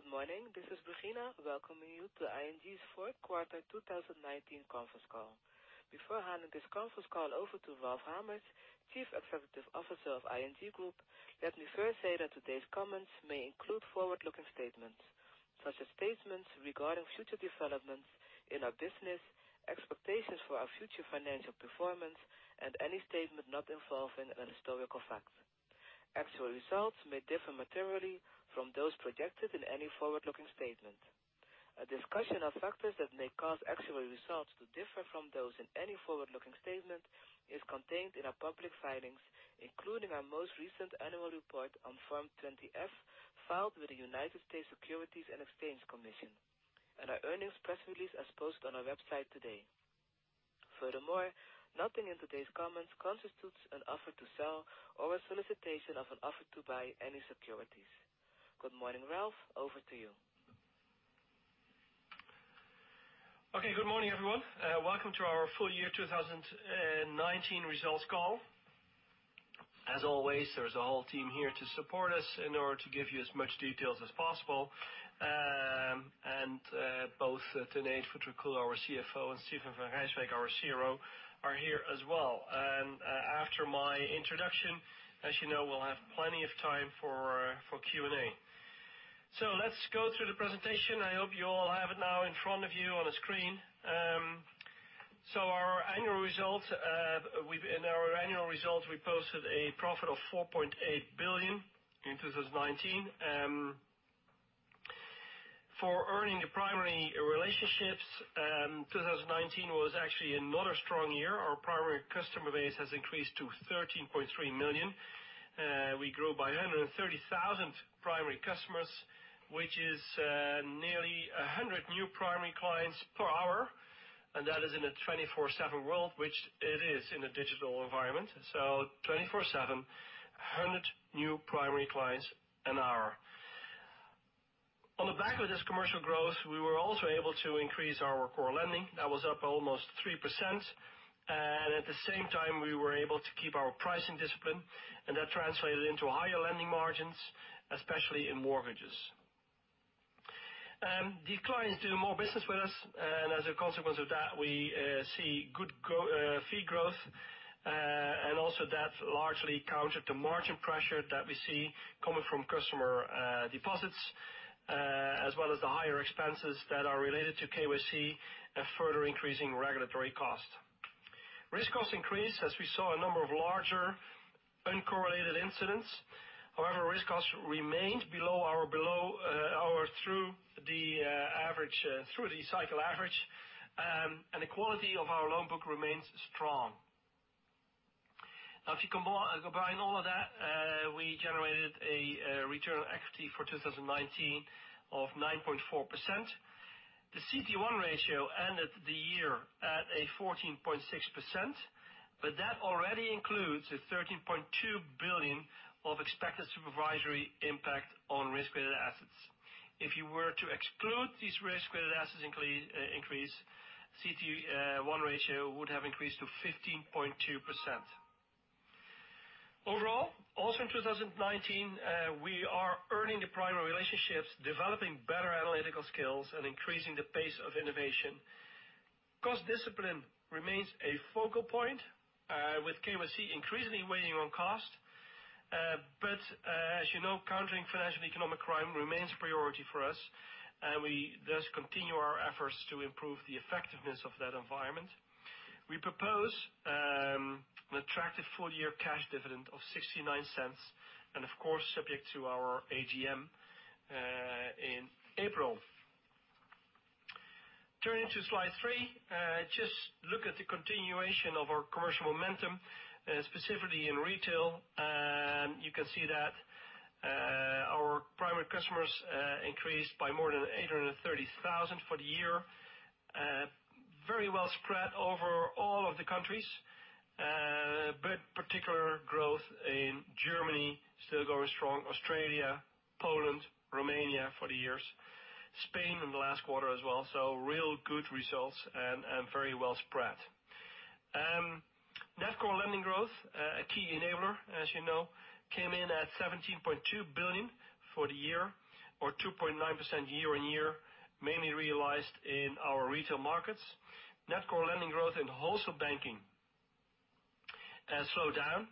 Good morning. This is Regina welcoming you to ING's Fourth Quarter 2019 Conference Call. Before handing this conference call over to Ralph Hamers, Chief Executive Officer of ING Group, let me first say that today's comments may include forward-looking statements, such as statements regarding future developments in our business, expectations for our future financial performance, and any statement not involving an historical fact. Actual results may differ materially from those projected in any forward-looking statement. A discussion of factors that may cause actual results to differ from those in any forward-looking statement is contained in our public filings, including our most recent annual report on Form 20-F filed with the United States Securities and Exchange Commission, and our earnings press release as posted on our website today. Furthermore, nothing in today's comments constitutes an offer to sell or a solicitation of an offer to buy any securities. Good morning, Ralph. Over to you. Okay. Good morning, everyone. Welcome to our Full Year 2019 Results Call. As always, there's a whole team here to support us in order to give you as much details as possible. Both Tanate Phutrakul, our CFO, and Steven van Rijswijk, our CRO, are here as well. After my introduction, as you know, we'll have plenty of time for Q&A. Let's go through the presentation. I hope you all have it now in front of you on a screen. In our annual results, we posted a profit of 4.8 billion in 2019. For earning the primary relationships, 2019 was actually another strong year. Our primary customer base has increased to 13.3 million. We grew by 130,000 primary customers, which is nearly 100 new primary clients per hour, and that is in a 24/7 world, which it is in a digital environment. 24/7, 100 new primary clients an hour. On the back of this commercial growth, we were also able to increase our core lending. That was up almost 3%, and at the same time, we were able to keep our pricing discipline, and that translated into higher lending margins, especially in mortgages. These clients do more business with us, and as a consequence of that, we see good fee growth. Also that largely countered the margin pressure that we see coming from customer deposits, as well as the higher expenses that are related to KYC and further increasing regulatory costs. Risk costs increased as we saw a number of larger uncorrelated incidents. However, risk costs remained below our through the cycle average, and the quality of our loan book remains strong. If you combine all of that, we generated a return on equity for 2019 of 9.4%. The CET1 ratio ended the year at 14.6%. That already includes the 13.2 billion of expected supervisory impact on risk-weighted assets. If you were to exclude this risk-weighted assets increase, CET1 ratio would have increased to 15.2%. Overall, also in 2019, we are earning the primary relationships, developing better analytical skills, and increasing the pace of innovation. Cost discipline remains a focal point, with KYC increasingly weighing on cost. As you know, countering financial and economic crime remains a priority for us, and we thus continue our efforts to improve the effectiveness of that environment. We propose an attractive full-year cash dividend of 0.69. Of course, subject to our AGM, in April. Turning to slide three, just look at the continuation of our commercial momentum, specifically in retail. You can see that our private customers increased by more than 830,000 for the year. Very well spread over all of the countries, particular growth in Germany still going strong, Australia, Poland, Romania for the years, Spain in the last quarter as well. Real good results and very well spread. Net core lending growth, a key enabler, as you know, came in at 17.2 billion for the year or 2.9% year-on-year, mainly realized in our retail markets. Net core lending growth in wholesale banking slowed down.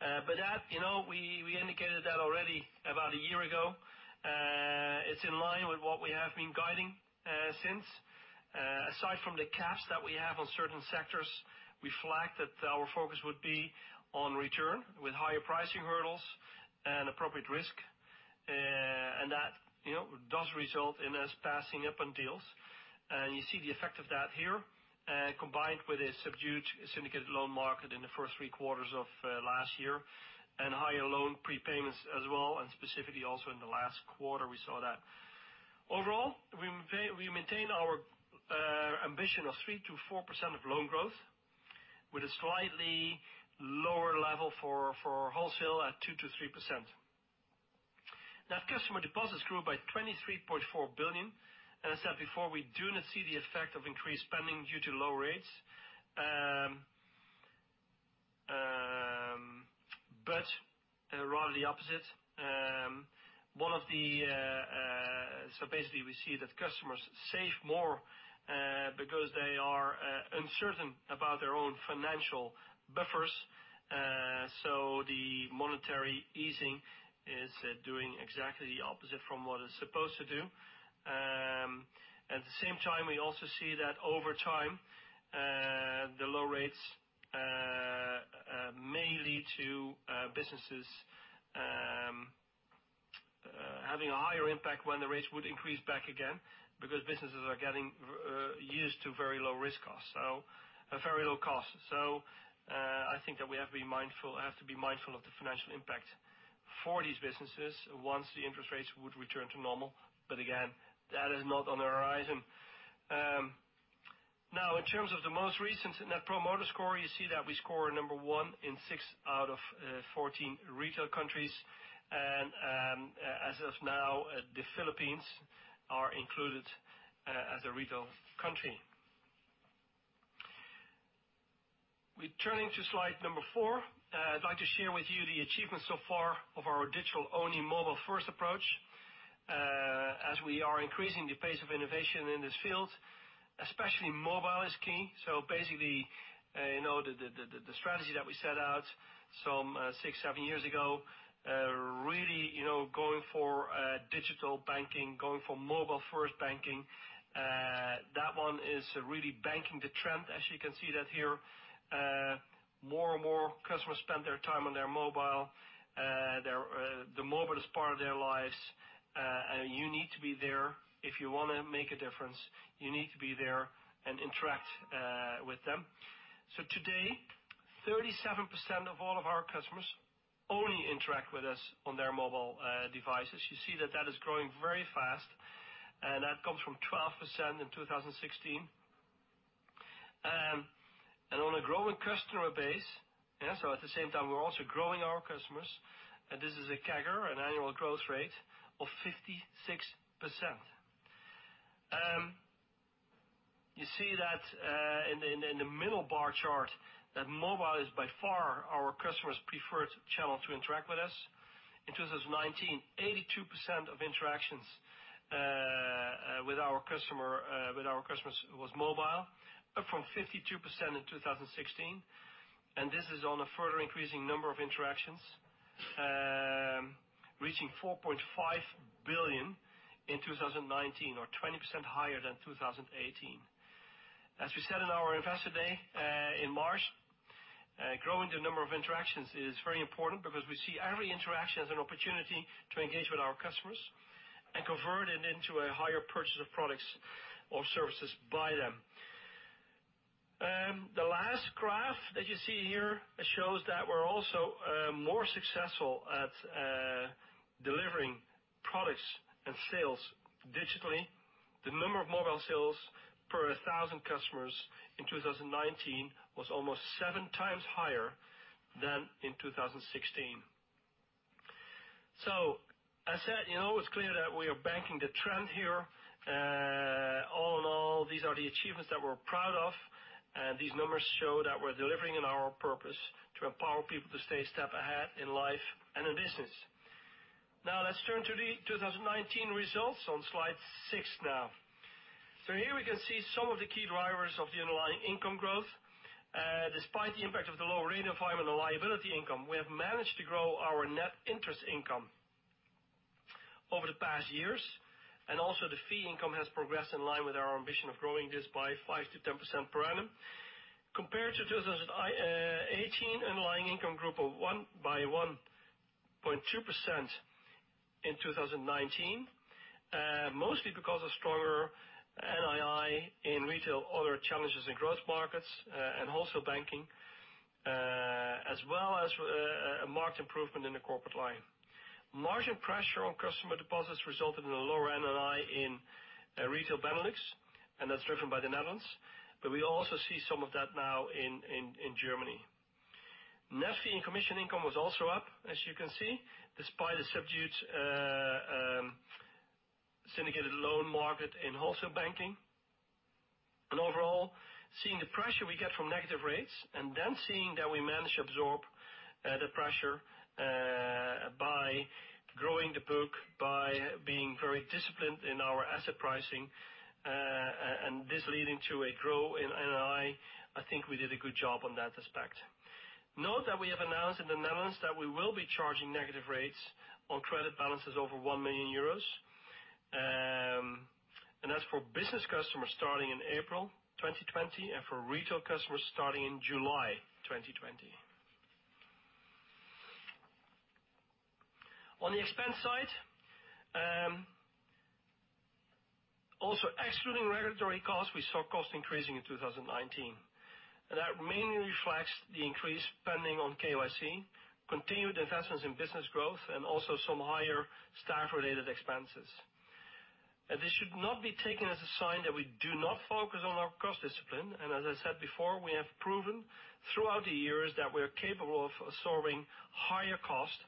That, we indicated that already about a year ago. It's in line with what we have been guiding since. Aside from the caps that we have on certain sectors, we flagged that our focus would be on return with higher pricing hurdles and appropriate risk. That does result in us passing up on deals. You see the effect of that here, combined with a subdued syndicated loan market in the first three quarters of last year and higher loan prepayments as well, and specifically, also in the last quarter, we saw that. Overall, we maintain our ambition of 3%-4% of loan growth with a slightly lower level for wholesale at 2%-3%. Customer deposits grew by 23.4 billion. As I said before, we do not see the effect of increased spending due to low rates. Rather the opposite. Basically, we see that customers save more because they are uncertain about their own financial buffers. The monetary easing is doing exactly the opposite from what it's supposed to do. At the same time, we also see that over time, the low rates may lead to businesses having a higher impact when the rates would increase back again, because businesses are getting used to very low risk costs or very low costs. I think that we have to be mindful of the financial impact for these businesses once the interest rates would return to normal. Again, that is not on the horizon. In terms of the most recent Net Promoter Score, you see that we score number 1 in 16 out of 14 retail countries. As of now, the Philippines are included as a retail country. We're turning to slide number four. I'd like to share with you the achievements so far of our digital-only, mobile-first approach. As we are increasing the pace of innovation in this field, especially mobile is key. Basically, the strategy that we set out some six, seven years ago, really going for digital banking, going for mobile-first banking, that one is really banking the trend. You can see that here, more and more customers spend their time on their mobile. The mobile is part of their lives. You need to be there if you want to make a difference. You need to be there and interact with them. Today, 37% of all of our customers only interact with us on their mobile devices. You see that that is growing very fast, and that comes from 12% in 2016. On a growing customer base, at the same time, we're also growing our customers. This is a CAGR, an annual growth rate of 56%. You see that in the middle bar chart that mobile is by far our customers' preferred channel to interact with us. In 2019, 82% of interactions with our customers was mobile, up from 52% in 2016. This is on a further increasing number of interactions, reaching 4.5 billion in 2019, or 20% higher than 2018. As we said in our investor day in March, growing the number of interactions is very important because we see every interaction as an opportunity to engage with our customers and convert it into a higher purchase of products or services by them. The last graph that you see here shows that we're also more successful at delivering products and sales digitally. The number of mobile sales per thousand customers in 2019 was almost seven times higher than in 2016. As said, it's clear that we are banking the trend here. All in all, these are the achievements that we're proud of, and these numbers show that we're delivering on our purpose to empower people to stay a step ahead in life and in business. Let's turn to the 2019 results on slide six. Here we can see some of the key drivers of the underlying income growth. Despite the impact of the lower rate environment on liability income, we have managed to grow our net interest income over the past years, and also the fee income has progressed in line with our ambition of growing this by 5%-10% per annum. Compared to 2018, underlying income grew by 1.2% in 2019. Mostly because of stronger NII in retail, other challenges in growth markets, and wholesale banking, as well as a marked improvement in the corporate line. Margin pressure on customer deposits resulted in a lower NII in Retail Benelux. That's driven by the Netherlands. We also see some of that now in Germany. Net fee and commission income was also up, as you can see, despite a subdued syndicated loan market in Wholesale Banking. Overall, seeing the pressure we get from negative rates and then seeing that we manage to absorb the pressure by growing the book, by being very disciplined in our asset pricing, and this leading to a growth in NII, I think we did a good job on that aspect. Note that we have announced in the Netherlands that we will be charging negative rates on credit balances over 1 million euros. That's for business customers starting in April 2020, and for retail customers starting in July 2020. On the expense side, also excluding regulatory costs, we saw costs increasing in 2019. That mainly reflects the increased spending on KYC, continued investments in business growth, and also some higher staff-related expenses. This should not be taken as a sign that we do not focus on our cost discipline. As I said before, we have proven throughout the years that we're capable of absorbing higher costs.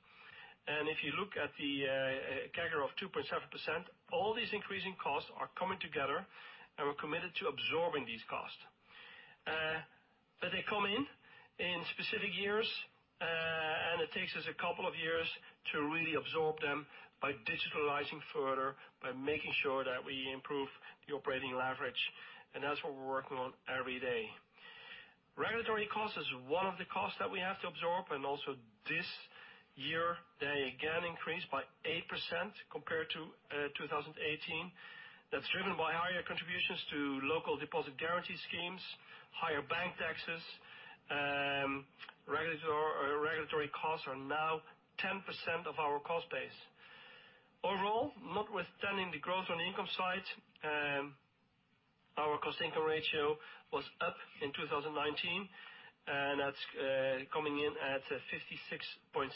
If you look at the CAGR of 2.7%, all these increasing costs are coming together, and we're committed to absorbing these costs. They come in in specific years, and it takes us a couple of years to really absorb them by digitalizing further, by making sure that we improve the operating leverage. That's what we're working on every day. Regulatory cost is one of the costs that we have to absorb, and also this year, they again increased by 8% compared to 2018. That's driven by higher contributions to local deposit guarantee schemes, higher bank taxes. Regulatory costs are now 10% of our cost base. Overall, notwithstanding the growth on the income side, our cost-to-income ratio was up in 2019, and that's coming in at 56.6%.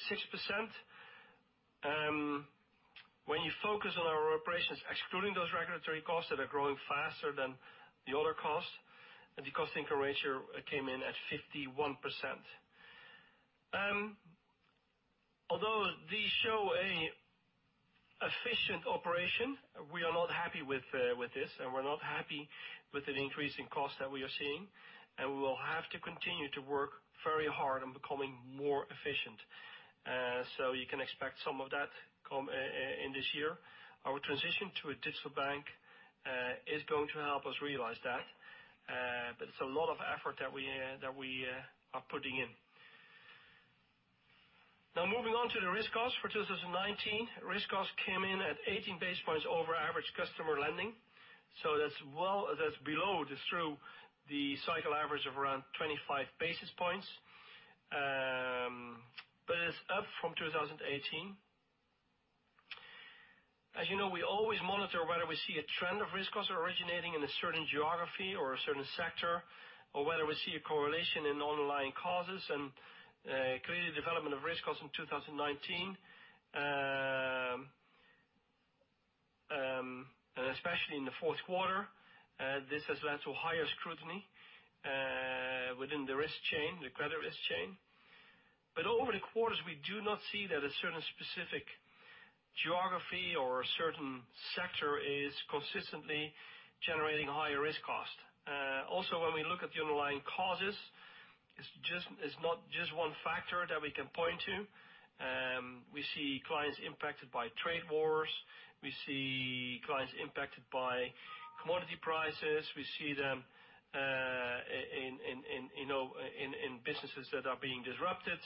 When you focus on our operations, excluding those regulatory costs that are growing faster than the other costs, the cost-to-income ratio came in at 51%. Although these show an efficient operation, we are not happy with this, and we're not happy with the increase in costs that we are seeing. We will have to continue to work very hard on becoming more efficient. You can expect some of that come in this year. Our transition to a digital bank is going to help us realize that. It's a lot of effort that we are putting in. Moving on to the risk costs for 2019. Risk costs came in at 18 basis points over average customer lending. That's below the cycle average of around 25 basis points. It's up from 2018. As you know, we always monitor whether we see a trend of risk costs originating in a certain geography or a certain sector, or whether we see a correlation in underlying causes, and created development of risk costs in 2019. Especially in the fourth quarter, this has led to higher scrutiny within the risk chain, the credit risk chain. Over the quarters, we do not see that a certain specific geography or a certain sector is consistently generating higher risk costs. Also, when we look at the underlying causes, it's not just one factor that we can point to. We see clients impacted by trade wars. We see clients impacted by commodity prices. We see them in businesses that are being disrupted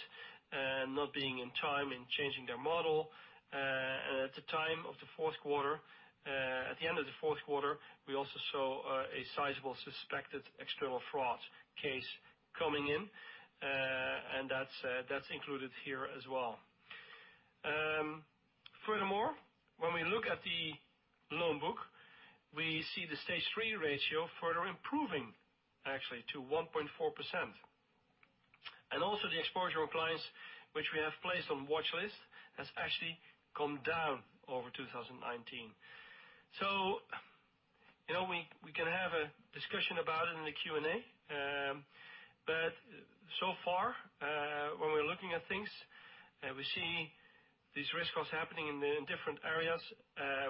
and not being in time in changing their model. At the time of the fourth quarter, at the end of the fourth quarter, we also saw a sizable suspected external fraud case coming in. That's included here as well. Furthermore, when we look at the loan book, we see the Stage 3 ratio further improving actually to 1.4%. Also the exposure of clients which we have placed on watchlist, has actually come down over 2019. We can have a discussion about it in the Q&A. So far, when we're looking at things, we see these risk costs happening in different areas.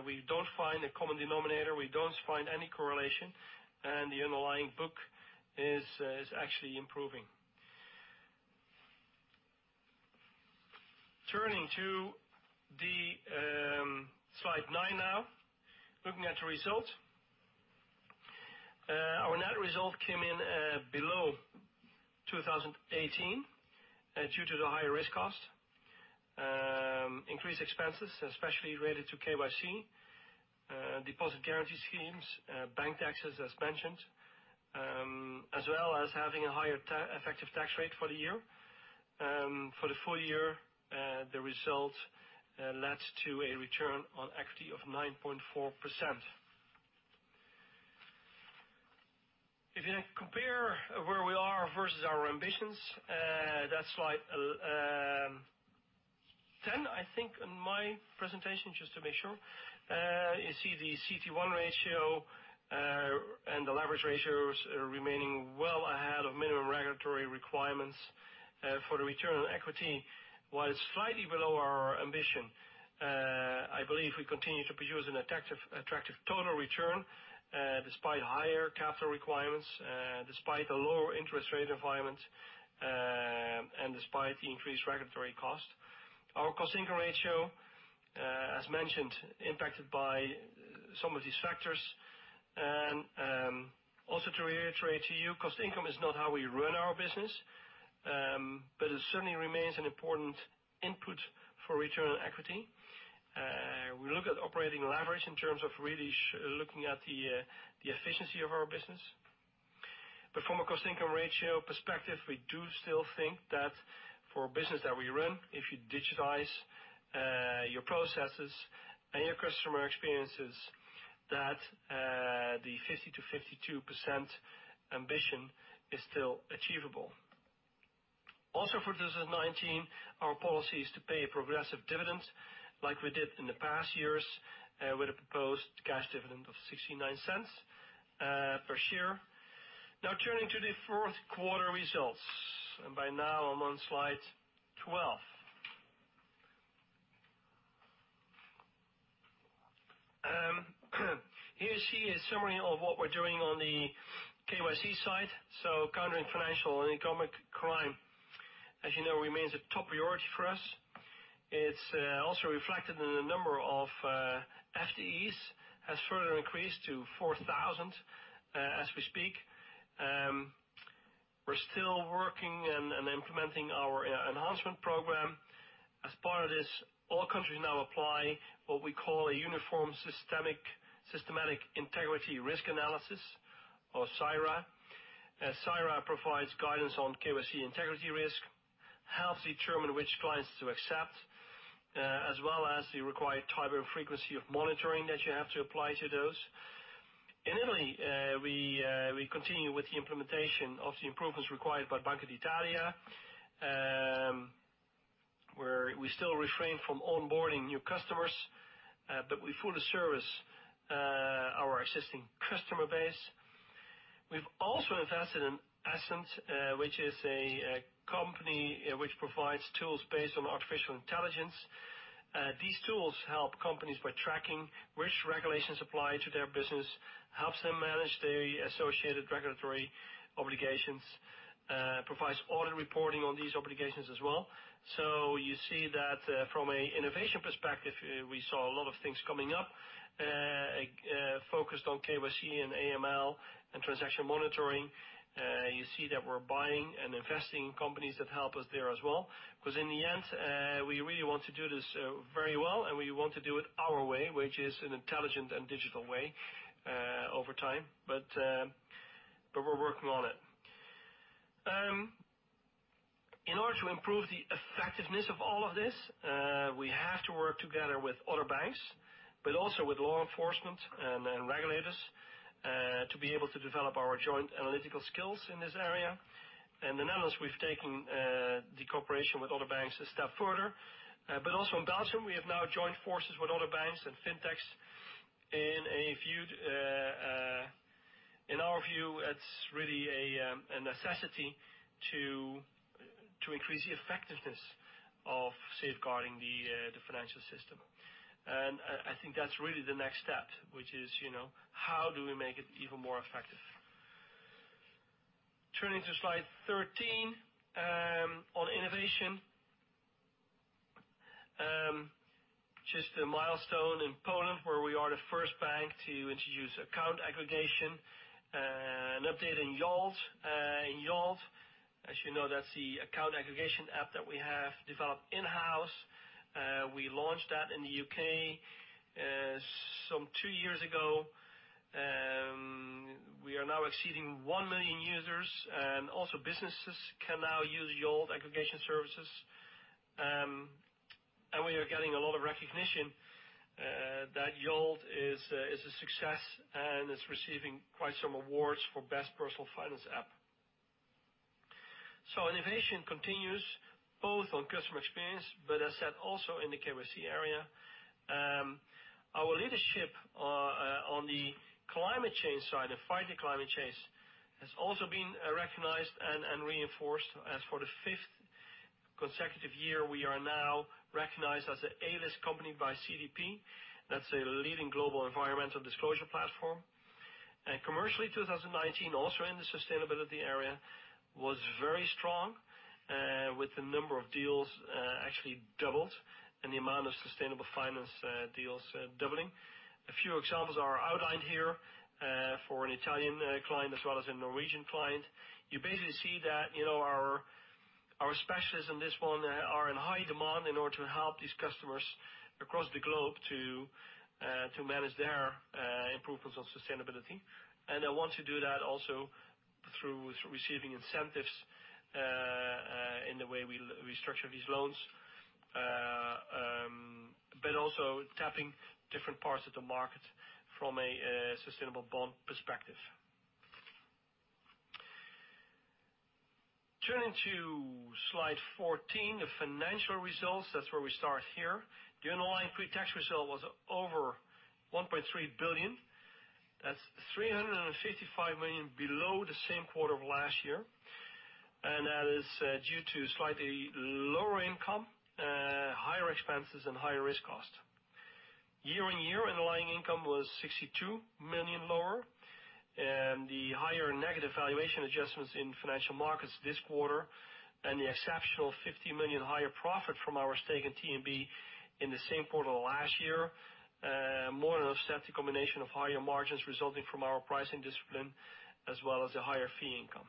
We don't find a common denominator. We don't find any correlation. The underlying book is actually improving. Turning to the slide nine now. Looking at the result. Our net result came in below 2018 due to the higher risk cost, increased expenses, especially related to KYC, deposit guarantee schemes, bank taxes, as mentioned, as well as having a higher effective tax rate for the year. For the full year, the result led to a return on equity of 9.4%. If you compare where we are versus our ambitions, that's slide 10, I think, in my presentation, just to make sure. You see the CET1 ratio, and the leverage ratios remaining well ahead of minimum regulatory requirements. For the return on equity was slightly below our ambition. I believe we continue to produce an attractive total return despite higher capital requirements, despite the lower interest rate environment, and despite the increased regulatory cost. Our cost income ratio, as mentioned, impacted by some of these factors. To reiterate to you, cost income is not how we run our business, but it certainly remains an important input for return on equity. We look at operating leverage in terms of really looking at the efficiency of our business. From a cost income ratio perspective, we do still think that for a business that we run, if you digitize your processes and your customer experiences, that the 50%-52% ambition is still achievable. For 2019, our policy is to pay a progressive dividend, like we did in the past years, with a proposed cash dividend of 0.69 per share. Turning to the fourth quarter results, I'm on slide 12. Here you see a summary of what we're doing on the KYC side. Countering financial and economic crime, as you know, remains a top priority for us. It's also reflected in the number of FTEs, has further increased to 4,000 as we speak. We're still working and implementing our enhancement program. As part of this, all countries now apply what we call a Uniform Systematic Integrity Risk Analysis, or SIRA. SIRA provides guidance on KYC integrity risk, helps determine which clients to accept, as well as the required type and frequency of monitoring that you have to apply to those. In Italy, we continue with the implementation of the improvements required by Banca d'Italia, where we still refrain from onboarding new customers, but we fully service our existing customer base. We've also invested in Ascent, which is a company which provides tools based on artificial intelligence. These tools help companies by tracking which regulations apply to their business, helps them manage the associated regulatory obligations, provides audit reporting on these obligations as well. You see that from an innovation perspective, we saw a lot of things coming up, focused on KYC and AML and transaction monitoring. You see that we're buying and investing in companies that help us there as well. In the end, we really want to do this very well and we want to do it our way, which is an intelligent and digital way over time. We're working on it. In order to improve the effectiveness of all of this, we have to work together with other banks, but also with law enforcement and regulators, to be able to develop our joint analytical skills in this area. The Netherlands, we've taken the cooperation with other banks a step further. Also in Belgium, we have now joined forces with other banks and fintechs. In our view, it's really a necessity to increase the effectiveness of safeguarding the financial system. I think that's really the next step, which is how do we make it even more effective? Turning to slide 13, on innovation. Just a milestone in Poland where we are the first bank to introduce account aggregation. An update in Yolt. In Yolt, as you know, that's the account aggregation app that we have developed in-house. We launched that in the U.K. some two years ago. We are now exceeding 1 million users and also businesses can now use Yolt aggregation services. We are getting a lot of recognition that Yolt is a success and is receiving quite some awards for best personal finance app. Innovation continues both on customer experience, but as said, also in the KYC area. Our leadership on the climate change side and fighting climate change has also been recognized and reinforced as for the fifth consecutive year, we are now recognized as an A-list company by CDP. That's a leading global environmental disclosure platform. Commercially 2019, also in the sustainability area, was very strong, with the number of deals actually doubled and the amount of sustainable finance deals doubling. A few examples are outlined here for an Italian client as well as a Norwegian client. You basically see that our specialists in this one are in high demand in order to help these customers across the globe to manage their improvements on sustainability. They want to do that also through receiving incentives, in the way we structure these loans. Also tapping different parts of the market from a sustainable bond perspective. Turning to slide 14, the financial results. That's where we start here. The underlying pre-tax result was over 1.3 billion. That's 355 million below the same quarter of last year, and that is due to slightly lower income, higher expenses, and higher risk cost. Year-on-year underlying income was 62 million lower, and the higher negative valuation adjustments in financial markets this quarter and the exceptional 50 million higher profit from our stake in TMB in the same quarter last year. More than offset the combination of higher margins resulting from our pricing discipline as well as the higher fee income.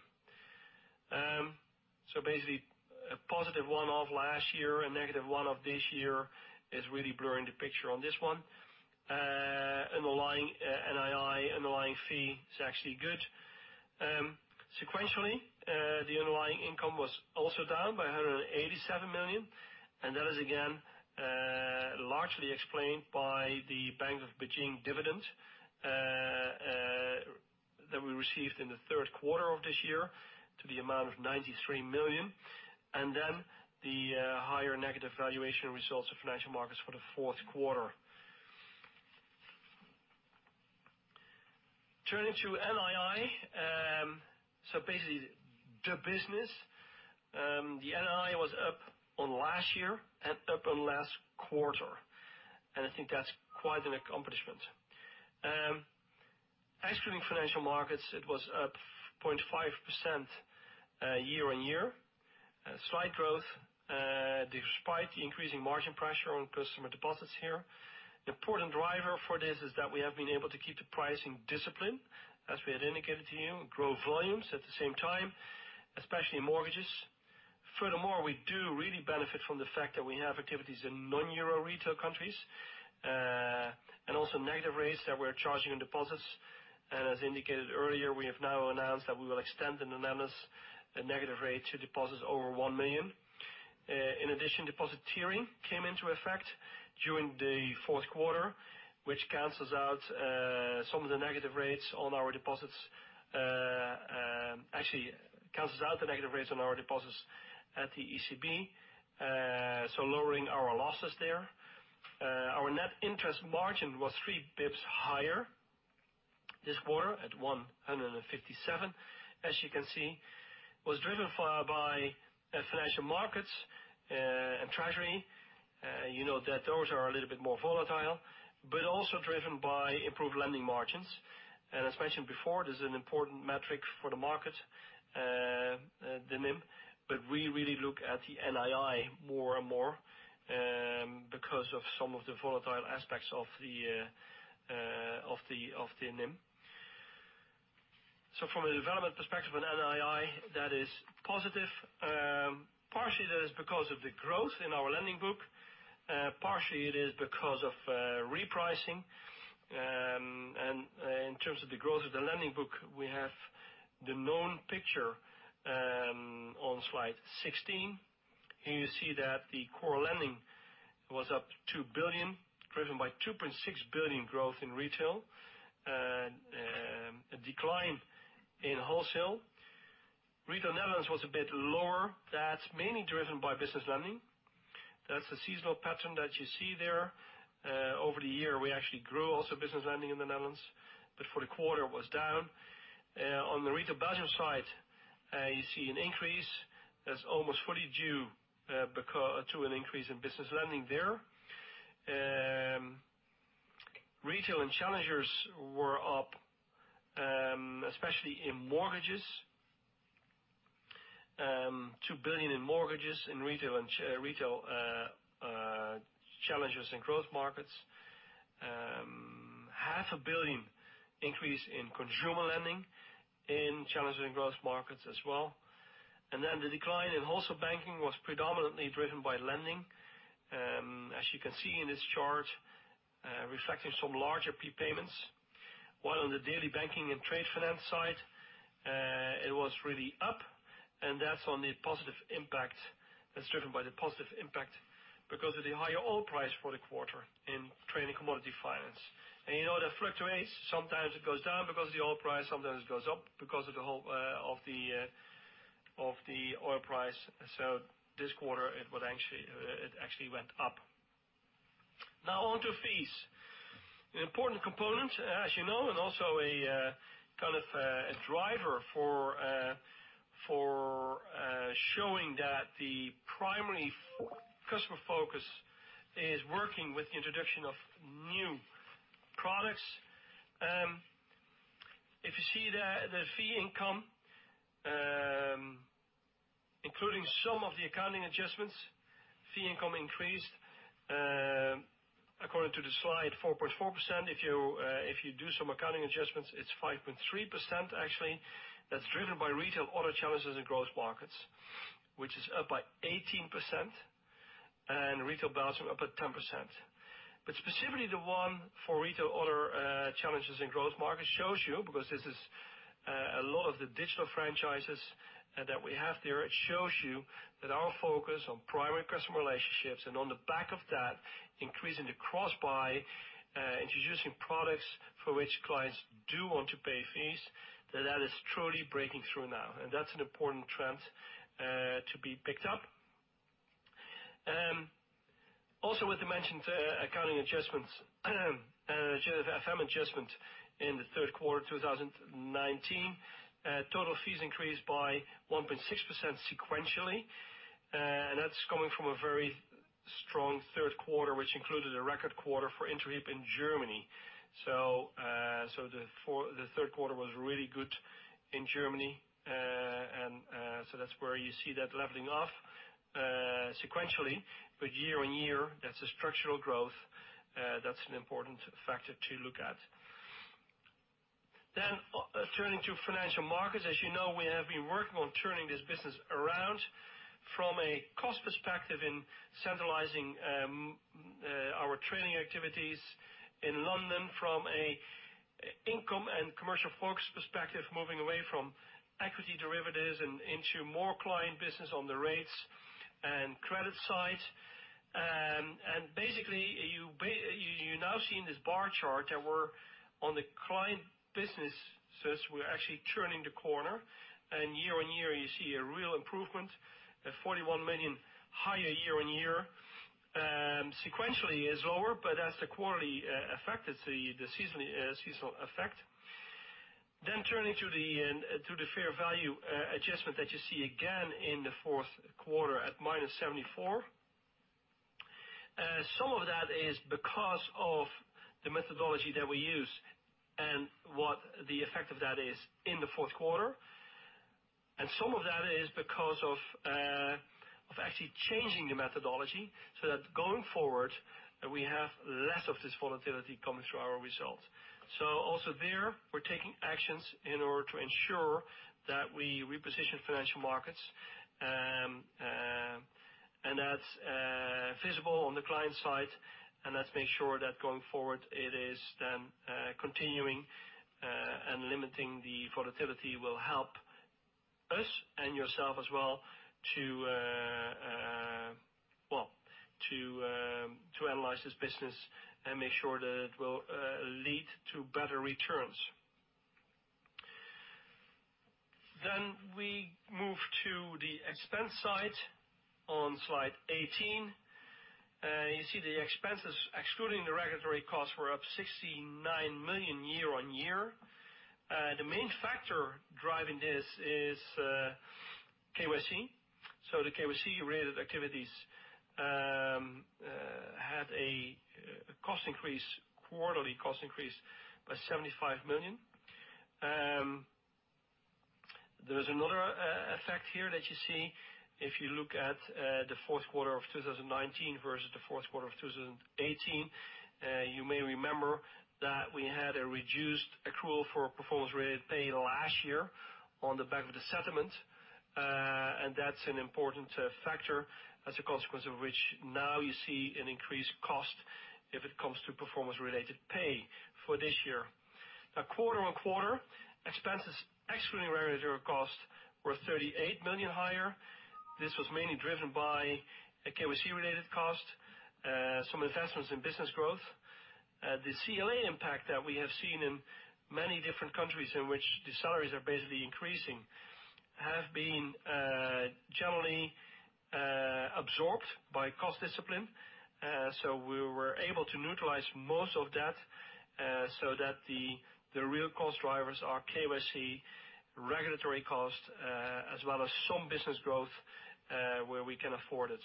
Basically, a positive one-off last year and negative one of this year is really blurring the picture on this one. NII underlying fee is actually good. Sequentially, the underlying income was also down by 187 million, and that is, again, largely explained by the Bank of Beijing dividend we received in the third quarter of this year, to the amount of 93 million, and then the higher negative valuation results of financial markets for the fourth quarter. Turning to NII. Basically, the business. The NII was up on last year and up on last quarter, and I think that's quite an accomplishment. Excluding financial markets, it was up 0.5% year-on-year. Slight growth, despite the increasing margin pressure on customer deposits here. The important driver for this is that we have been able to keep the pricing discipline, as we had indicated to you, and grow volumes at the same time, especially in mortgages. We do really benefit from the fact that we have activities in non-euro retail countries, and also negative rates that we're charging on deposits. As indicated earlier, we have now announced that we will extend the Netherlands negative rate to deposits over 1 million. In addition, deposit tiering came into effect during the fourth quarter, which cancels out some of the negative rates on our deposits. Actually, cancels out the negative rates on our deposits at the ECB, lowering our losses there. Our net interest margin was three basis points higher this quarter at 157. As you can see, it was driven by financial markets and the treasury. You know that those are a little bit more volatile, but also driven by improved lending margins. As mentioned before, this is an important metric for the market, the NIM, but we really look at the NII more and more, because of some of the volatile aspects of the NIM. From a development perspective on NII, that is positive. Partially, that is because of the growth in our lending book. Partially, it is because of repricing. In terms of the growth of the lending book, we have the known picture on slide 16. Here you see that the core lending was up 2 billion, driven by 2.6 billion growth in retail and a decline in wholesale. retail Netherlands was a bit lower. That's mainly driven by business lending. That's the seasonal pattern that you see there. Over the year, we actually grew also business lending in the Netherlands, but for the quarter was down. On the retail Belgium side, you see an increase that's almost fully due to an increase in business lending there. Retail and challengers were up, especially in mortgages. 2 billion in mortgages in retail and retail challengers in growth markets. 500 million increase in consumer lending in challengers and growth markets as well. The decline in wholesale banking was predominantly driven by lending. As you can see in this chart, reflecting some larger prepayments. While on the daily banking and trade finance side, it was really up, and that's driven by the positive impact because of the higher oil price for the quarter in trade and commodity finance. You know that fluctuates. Sometimes it goes down because of the oil price, sometimes it goes up because of the oil price. This quarter, it actually went up. Now on to fees. An important component, as you know, and also a driver for showing that the primary customer focus is working with the introduction of new products. If you see the fee income, including some of the accounting adjustments, the fee income increased, according to the slide, 4.4%. If you do some accounting adjustments, it's 5.3%, actually. That's driven by retail, other challengers and growth markets, which is up by 18%, and retail Belgium up at 10%. Specifically, the one for retail, other challengers and growth markets shows you, because this is a lot of the digital franchises that we have there, it shows you that our focus on primary customer relationships and on the back of that, increasing the cross-buy, introducing products for which clients do want to pay fees, that is truly breaking through now. That's an important trend to be picked up. Also with the mentioned accounting adjustments, FM adjustment in the third quarter 2019, total fees increased by 1.6% sequentially. That's coming from a very strong third quarter, which included a record quarter for ING Group in Germany. The third quarter was really good in Germany. That's where you see that leveling off sequentially. Year-on-year, that's a structural growth. That's an important factor to look at. Turning to financial markets. As you know, we have been working on turning this business around from a cost perspective in centralizing our trading activities in London. From an income and commercial focus perspective, moving away from equity derivatives and into more client business on the rates, and credit side. Basically, you now see in this bar chart that we're on the client businesses, we're actually turning the corner, and year-on-year, you see a real improvement, at 41 million higher year-on-year. Sequentially is lower, but that's the quarterly effect. It's the seasonal effect. Turning to the fair value adjustment that you see again in the fourth quarter at -74 million. Some of that is because of the methodology that we use and what the effect of that is in the fourth quarter. Some of that is because of actually changing the methodology, going forward, we have less of this volatility coming through our results. Also there, we're taking actions in order to ensure that we reposition financial markets, and that's feasible on the client side. Let's make sure that, going forward it is then continuing, limiting the volatility will help us and yourself as well to analyze this business and make sure that it will lead to better returns. We move to the expense side on slide 18. You see the expenses, excluding the regulatory costs, were up 69 million year-on-year. The main factor driving this is KYC. The KYC-related activities had a quarterly cost increase by 75 million. There is another effect here that you see if you look at the fourth quarter of 2019 versus the fourth quarter of 2018. You may remember that we had a reduced accrual for performance-related pay last year on the back of the settlement. That's an important factor, as a consequence of which now you see an increased cost if it comes to performance-related pay for this year. Quarter-on-quarter, expenses excluding regulatory costs were 38 million higher. This was mainly driven by a KYC-related cost, some investments in business growth. The CLA impact that we have seen in many different countries, in which the salaries are basically increasing, have been generally absorbed by cost discipline. We were able to neutralize most of that, so that the real cost drivers are KYC, regulatory cost, as well as some business growth, where we can afford it.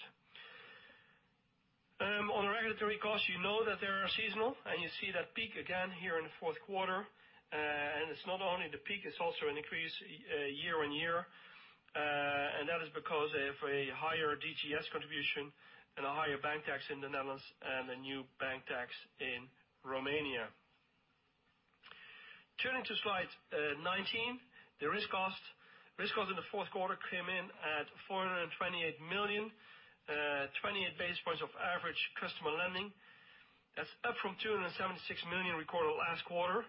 On regulatory costs, you know that they are seasonal, and you see that peak again here in the fourth quarter. It's not only the peak, it's also an increase year-over-year. That is because of a higher DGS contribution and a higher bank tax in the Netherlands and a new bank tax in Romania. Turning to slide 19. The risk cost in the fourth quarter came in at 428 million, 28 basis points of average customer lending. That's up from 276 million recorded last quarter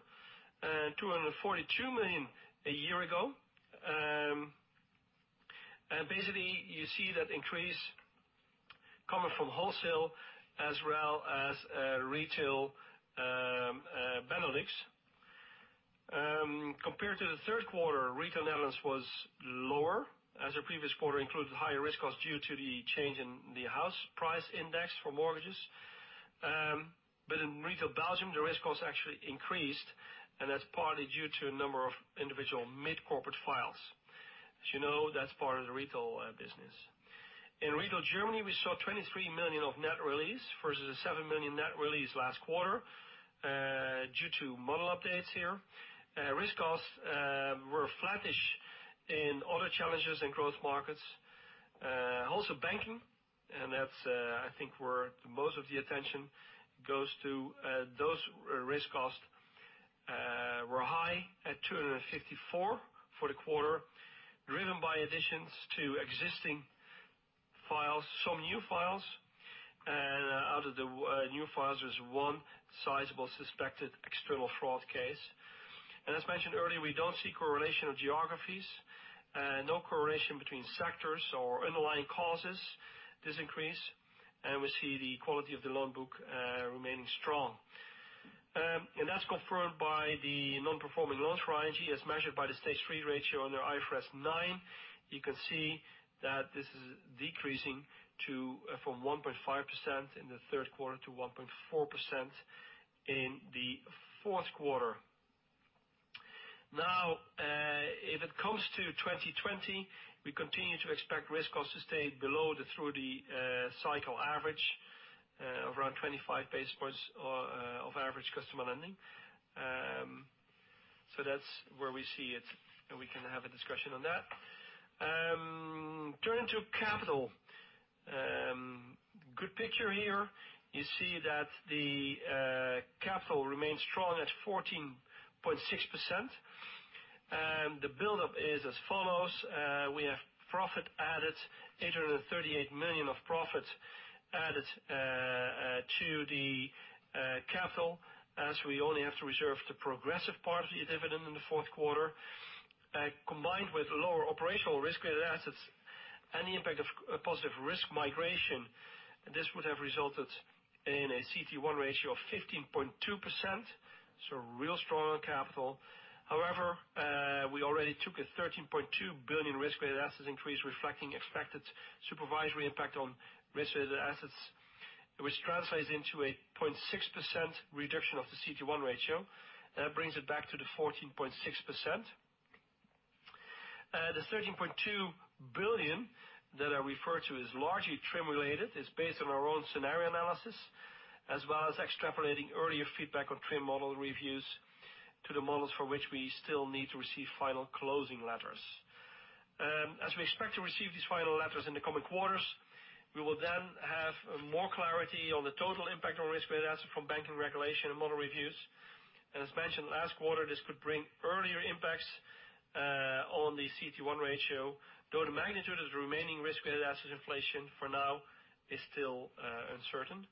and 242 million a year ago. Basically, you see that increase coming from wholesale as well as retail Benelux. Compared to the third quarter, retail Netherlands was lower as the previous quarter included higher risk costs due to the change in the house price index for mortgages. In retail Belgium, the risk costs actually increased, and that's partly due to a number of individual mid-corporate files. As you know, that's part of the retail business. In Retail Germany, we saw 23 million of net release versus 7 million net release last quarter, due to model updates here. Risk costs were flattish in other challenges in growth markets. Wholesale Banking that's, I think, where most of the attention goes to, those risk costs were high at 254 for the quarter, driven by additions to existing files, some new files. Out of the new files, there's one sizable suspected external fraud case. As mentioned earlier, we don't see a correlation of geographies. No correlation between sectors or underlying causes, this increase. We see the quality of the loan book remaining strong. That's confirmed by the non-performing loans for ING as measured by the Stage 3 ratio under IFRS 9. You can see that this is decreasing from 1.5% in the third quarter to 1.4% in the fourth quarter. If it comes to 2020, we continue to expect risk costs to stay below through the cycle average of around 25 basis points of average customer lending. That's where we see it, and we can have a discussion on that. Turning to capital. Good picture here. You see that the capital remains strong at 14.6%, and the buildup is as follows. We have profit added, 838 million of profit added to the as we only have to reserve the progressive part of the dividend in the fourth quarter, combined with lower operational risk-weighted assets and the impact of positive risk migration, this would have resulted in a CET1 ratio of 15.2%. Real strong on capital. However, we already took a 13.2 billion risk-weighted assets increase, reflecting expected supervisory impact on risk-weighted assets, which translates into a 0.6% reduction of the CET1 ratio. That brings it back to the 14.6%. The 13.2 billion that I referred to is largely TRIM-related. It's based on our own scenario analysis, as well as extrapolating earlier feedback on TRIM model reviews to the models for which we still need to receive final closing letters. We expect to receive these final letters in the coming quarters, we will then have more clarity on the total impact on risk-weighted asset from banking regulation and model reviews. As mentioned last quarter, this could bring earlier impacts on the CET1 ratio, though the magnitude of the remaining risk-weighted asset inflation for now is still uncertain.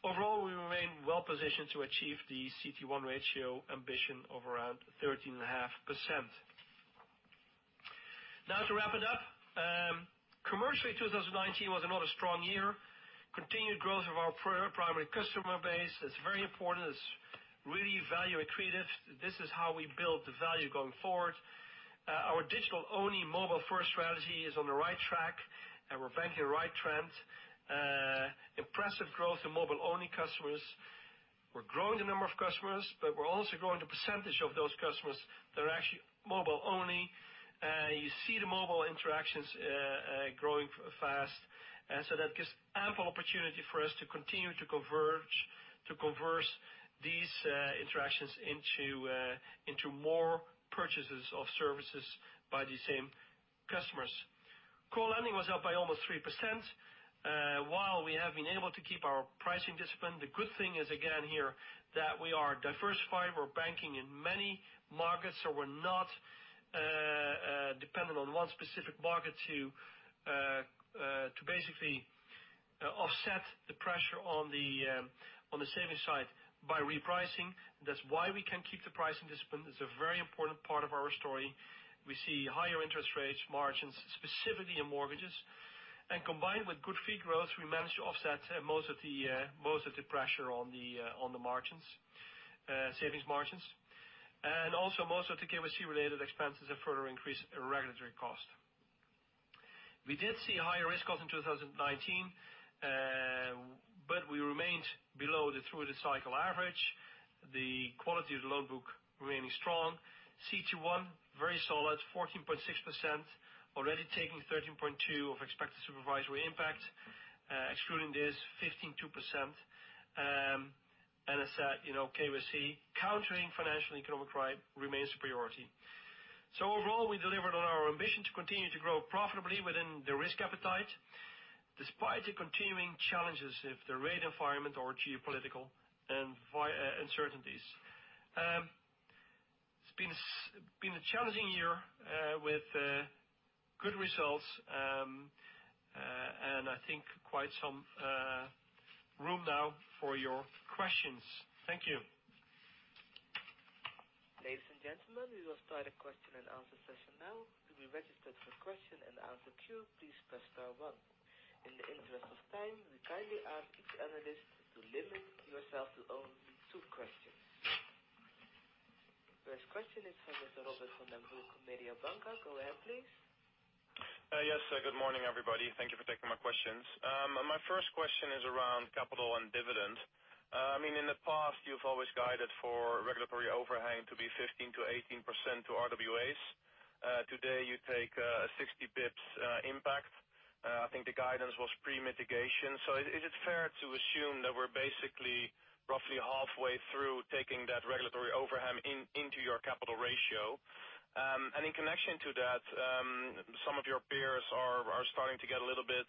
Overall, we remain well-positioned to achieve the CET1 ratio ambition of around 13.5%. To wrap it up. Commercially, 2019 was another strong year. Continued growth of our primary customer base is very important. It's really value accretive. This is how we build the value going forward. Our digital-only mobile-first strategy is on the right track, and we're banking the right trends. Impressive growth in mobile-only customers. We're growing the number of customers, but we're also growing the percentage of those customers that are actually mobile only. You see the mobile interactions growing fast. That gives ample opportunity for us to continue to convert these interactions into more purchases of services by the same customers. Core lending was up by almost 3%. While we have been able to keep our pricing discipline, the good thing is, again, here, that we are diversified. We're banking in many markets, so we're not dependent on one specific market to basically offset the pressure on the savings side by repricing. That's why we can keep the pricing discipline. It's a very important part of our story. We see higher interest rates, margins, specifically in mortgages. Combined with good fee growth, we managed to offset most of the pressure on the margins, savings margins. Most of the KYC-related expenses have further increased regulatory cost. We did see higher risk costs in 2019, but we remained below the through-the-cycle average, the quality of the loan book remaining strong. CET1, very solid, 14.6%, already taking 13.2 of expected supervisory impact. Excluding this, 15.2%. As said, KYC, countering financial economic crime remains a priority. Overall, we delivered on our ambition to continue to grow profitably within the risk appetite, despite the continuing challenges of the rate environment or geopolitical uncertainties. It's been a challenging year with good results, and I think quite some room now for your questions. Thank you. Ladies and gentlemen, we will start a question and answer session now. To be registered for question and answer queue, please press star one. In the interest of time, we kindly ask each analyst to limit yourself to only two questions. First question is from Robert van den Broek, Mediobanca. Go ahead, please. Yes. Good morning, everybody. Thank you for taking my questions. My first question is around capital and dividends. In the past, you've always guided for regulatory overhang to be 15%-18% to RWA. Today, you take a 60-basis-point impact. I think the guidance was pre-mitigation. Is it fair to assume that we're basically roughly halfway through taking that regulatory overhang into your capital ratio? In connection to that, some of your peers are starting to get a little bit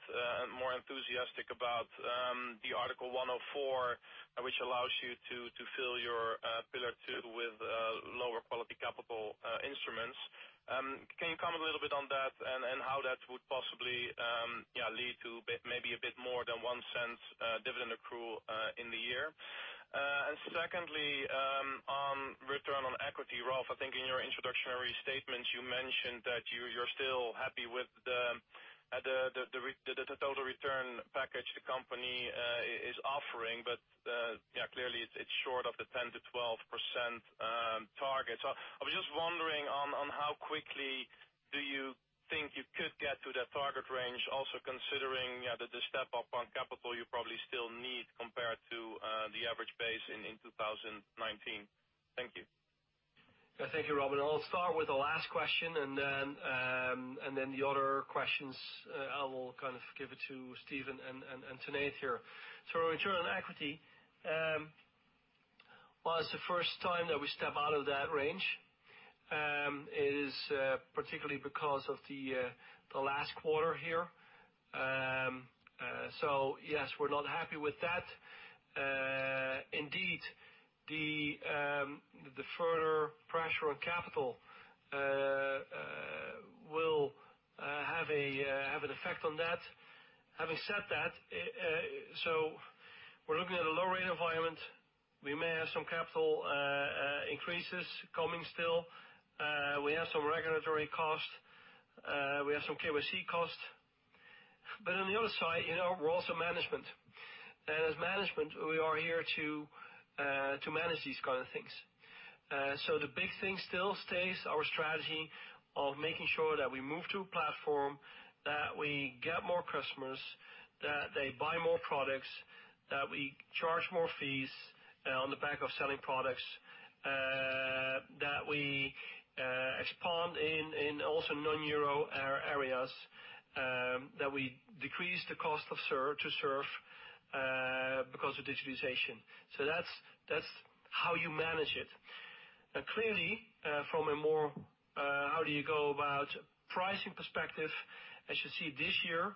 more enthusiastic about the Article 104a, which allows you to fill your Pillar 2 with lower quality capital instruments. Can you comment a little bit on that, and how that would possibly lead to maybe a bit more than 0.01 dividend accrual in the year? Secondly, on return on equity, Ralph, I think in your introductory statements, you mentioned that you're still happy with the total return package the company is offering. Clearly, it's short of the 10%-12% target. I was just wondering on how quickly do you think you could get to that target range, also considering the step-up on capital you probably still need compared to the average base in 2019. Thank you. Thank you, Robert. I'll start with the last question, and then the other questions, I will give it to Steven and Tanate here. Return on equity. It's the first time that we step out of that range. It is particularly because of the last quarter here. Yes, we're not happy with that. Indeed, the further pressure on capital. On that, having said that, we're looking at a low-rate environment. We may have some capital increases coming still. We have some regulatory costs. We have some KYC costs. On the other side, we're also management, and as management, we are here to manage these kind of things. The big thing still stays our strategy of making sure that we move to a platform, that we get more customers, that they buy more products, that we charge more fees on the back of selling products, that we expand in also non-EUR areas, that we decrease the cost to serve because of digitalization. That's how you manage it. Clearly, from a more how do you go about pricing perspective, as you see this year,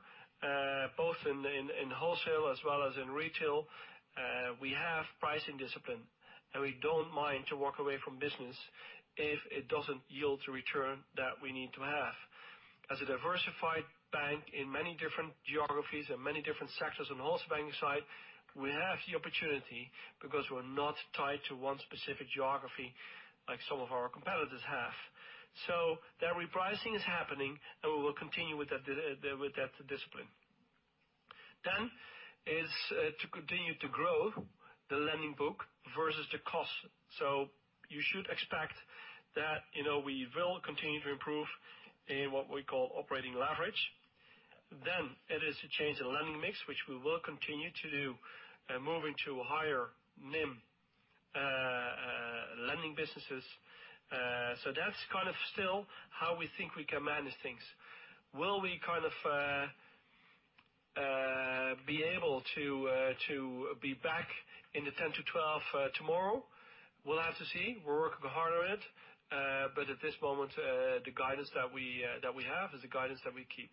both in wholesale as well as in retail, we have pricing discipline, and we don't mind to walk away from business if it doesn't yield the return that we need to have. As a diversified bank in many different geographies and many different sectors on the wholesale banking side, we have the opportunity because we're not tied to one specific geography like some of our competitors have. That repricing is happening, and we will continue with that discipline. Is to continue to grow the lending book versus the cost. You should expect that we will continue to improve in what we call operating leverage. It is to change the lending mix, which we will continue to do, moving to a higher NIM lending businesses. That's still how we think we can manage things. Will we be able to be back in the 10 to 12 tomorrow? We're working hard on it. At this moment, the guidance that we have is the guidance that we keep.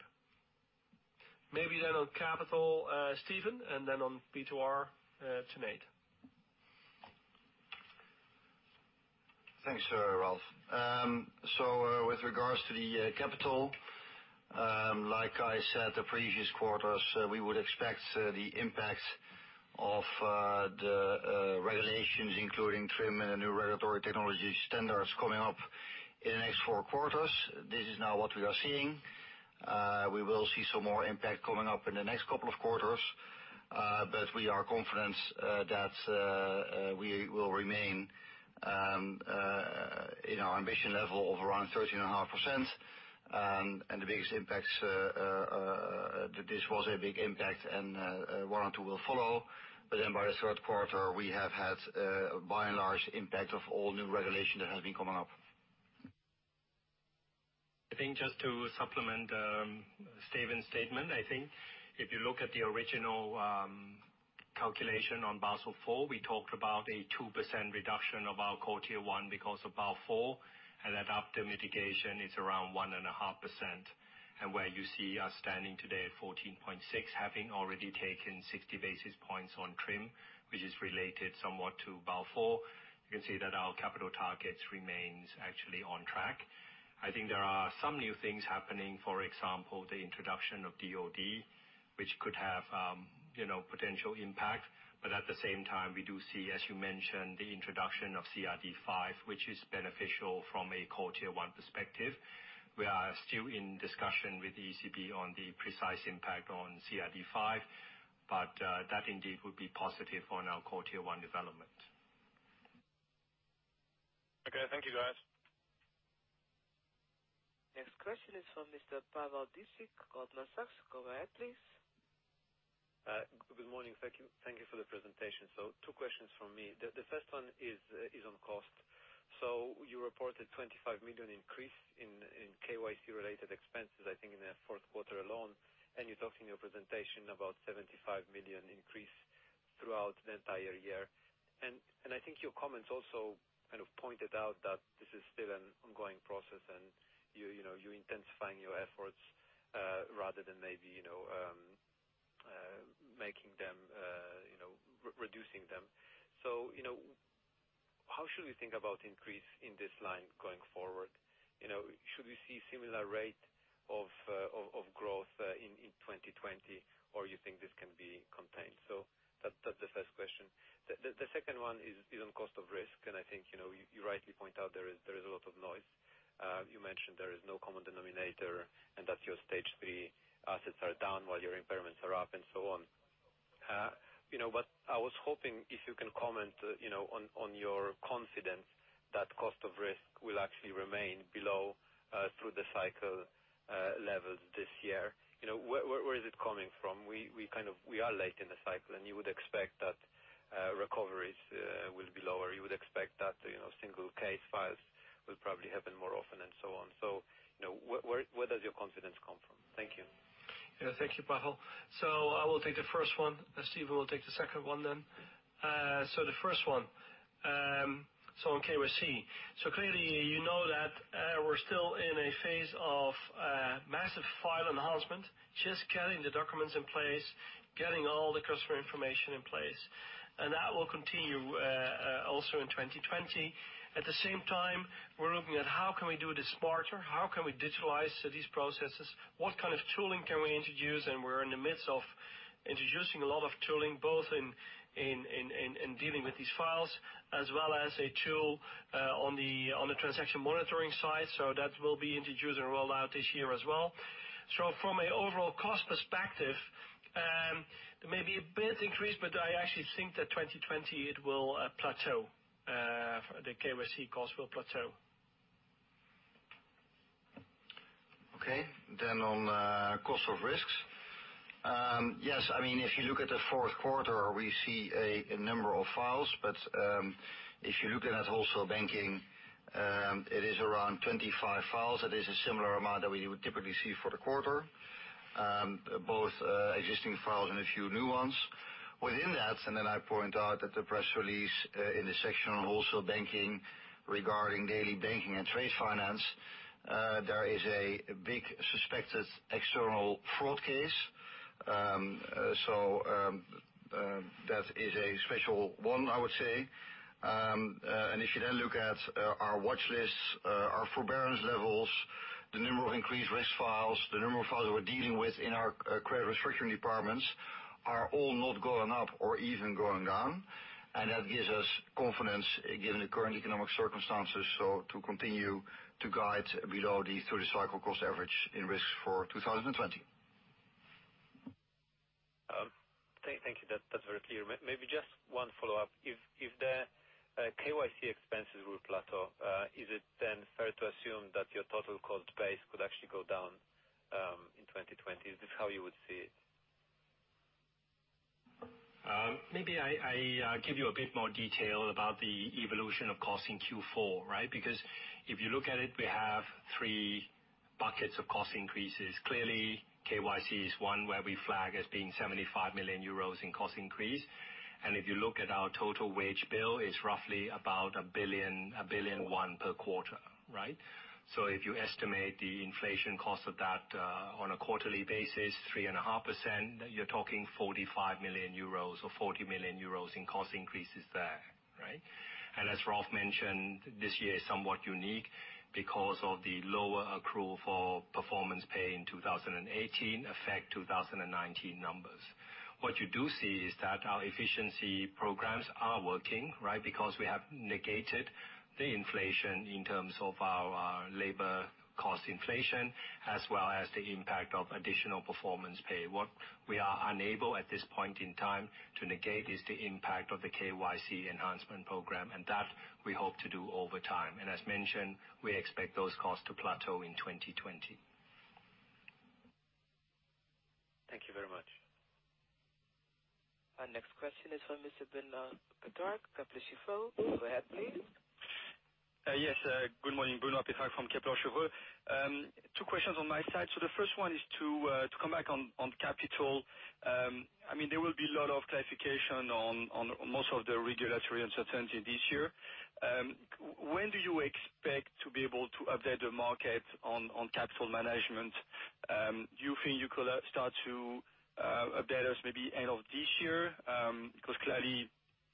Maybe on capital, Steven, and on B2R Tanate. Thanks, Ralph. With regards to the capital, like I said the previous quarters, we would expect the impact of the regulations, including TRIM and the new regulatory technology standards coming up in the next four quarters. This is now what we are seeing. We will see some more impact coming up in the next couple of quarters. We are confident that we will remain in our ambition level of around 13.5%. This was a big impact, and one or two will follow. By the third quarter, we have had a by and large impact of all new regulation that has been coming up. I think just to supplement Steven's statement, I think if you look at the original calculation on Basel IV, we talked about a 2% reduction of our core Tier 1 because of Basel IV, and that after mitigation, it's around 1.5%. Where you see us standing today at 14.6%, having already taken 60 basis points on TRIM, which is related somewhat to Basel IV, you can see that our capital targets remain actually on track. I think there are some new things happening, for example, the introduction of DoD, which could have a potential impact. At the same time, we do see, as you mentioned, the introduction of CRD V, which is beneficial from a core Tier 1 perspective. We are still in discussion with the ECB on the precise impact on CRD V, that indeed would be positive on our core Tier 1 development. Okay. Thank you, guys. Next question is from Mr. Pawel Dziedzic of Goldman Sachs. Go ahead, please. Good morning. Thank you for the presentation. Two questions from me. The first one is on cost. You reported 25 million increase in KYC-related expenses, I think in the fourth quarter alone, and you talked in your presentation about 75 million increase throughout the entire year. I think your comments also pointed out that this is still an ongoing process and you're intensifying your efforts rather than maybe reducing them. How should we think about increase in this line going forward? Should we see similar rate of growth in 2020, or you think this can be contained? That's the first question. The second one is on cost of risk, and I think you rightly point out there is a lot of noise. You mentioned there is no common denominator, and that your Stage 3 assets are down while your impairments are up and so on. I was hoping if you can comment on your confidence that cost of risk will actually remain below through the cycle levels this year. Where is it coming from? We are late in the cycle, and you would expect that recoveries will be lower. You would expect that single case files will probably happen more often and so on. Where does your confidence come from? Thank you. Yeah, thank you, Pawel. I will take the first one. Steven will take the second one then. The first one. On KYC. Clearly, you know that we're still in a phase of massive file enhancement, just getting the documents in place, getting all the customer information in place. That will continue. Also in 2020. At the same time, we're looking at how can we do this smarter, how can we digitalize these processes, what kind of tooling can we introduce? We're in the midst of introducing a lot of tooling, both in dealing with these files, as well as a tool on the transaction monitoring side. That will be introduced and rolled out this year as well. From an overall cost perspective, there may be a bit increase, but I actually think that 2020, it will plateau. The KYC cost will plateau. On cost of risks. If you look at the fourth quarter, we see a number of files. If you look at Wholesale Banking, it is around 25 files. That is a similar amount that we would typically see for the quarter, both existing files and a few new ones. Within that, I point out that the press release in the section on Wholesale Banking regarding daily banking and trade finance, there is a big suspected external fraud case. That is a special one, I would say. If you look at our watch lists, our forbearance levels, the number of increased risk files, the number of files that we're dealing with in our credit restructuring departments are all not going up or even going down. That gives us confidence given the current economic circumstances, to continue to guide below the through-the-cycle cost average in risks for 2020. Thank you. That is very clear. Maybe just one follow-up. If the KYC expenses will plateau, is it then fair to assume that your total cost base could actually go down in 2020? Is this how you would see it? Maybe I give you a bit more detail about the evolution of cost in Q4, right? If you look at it, we have three buckets of cost increases. Clearly, KYC is one where we flag as being 75 million euros in cost increase. If you look at our total wage bill, it's roughly about EUR a billion, one per quarter. Right? If you estimate the inflation cost of that on a quarterly basis, 3.5%, you're talking 45 million euros or 40 million euros in cost increases there. Right? As Ralph mentioned, this year is somewhat unique because of the lower accrual for performance pay in 2018 affect 2019 numbers. What you do see is that our efficiency programs are working, right? We have negated the inflation in terms of our labor cost inflation as well as the impact of additional performance pay. What we are unable at this point in time to negate is the impact of the KYC enhancement program, and that we hope to do over time. As mentioned, we expect those costs to plateau in 2020. Thank you very much. Our next question is from Mr. Benoit Petrarque, Kepler Cheuvreux. Go ahead, please. Good morning, Benoit Petrarque from Kepler Cheuvreux. Two questions on my side. The first one is to come back on capital. There will be a lot of clarification on most of the regulatory uncertainty this year. When do you expect to be able to update the market on capital management? Do you think you could start to update us maybe end of this year? Clearly,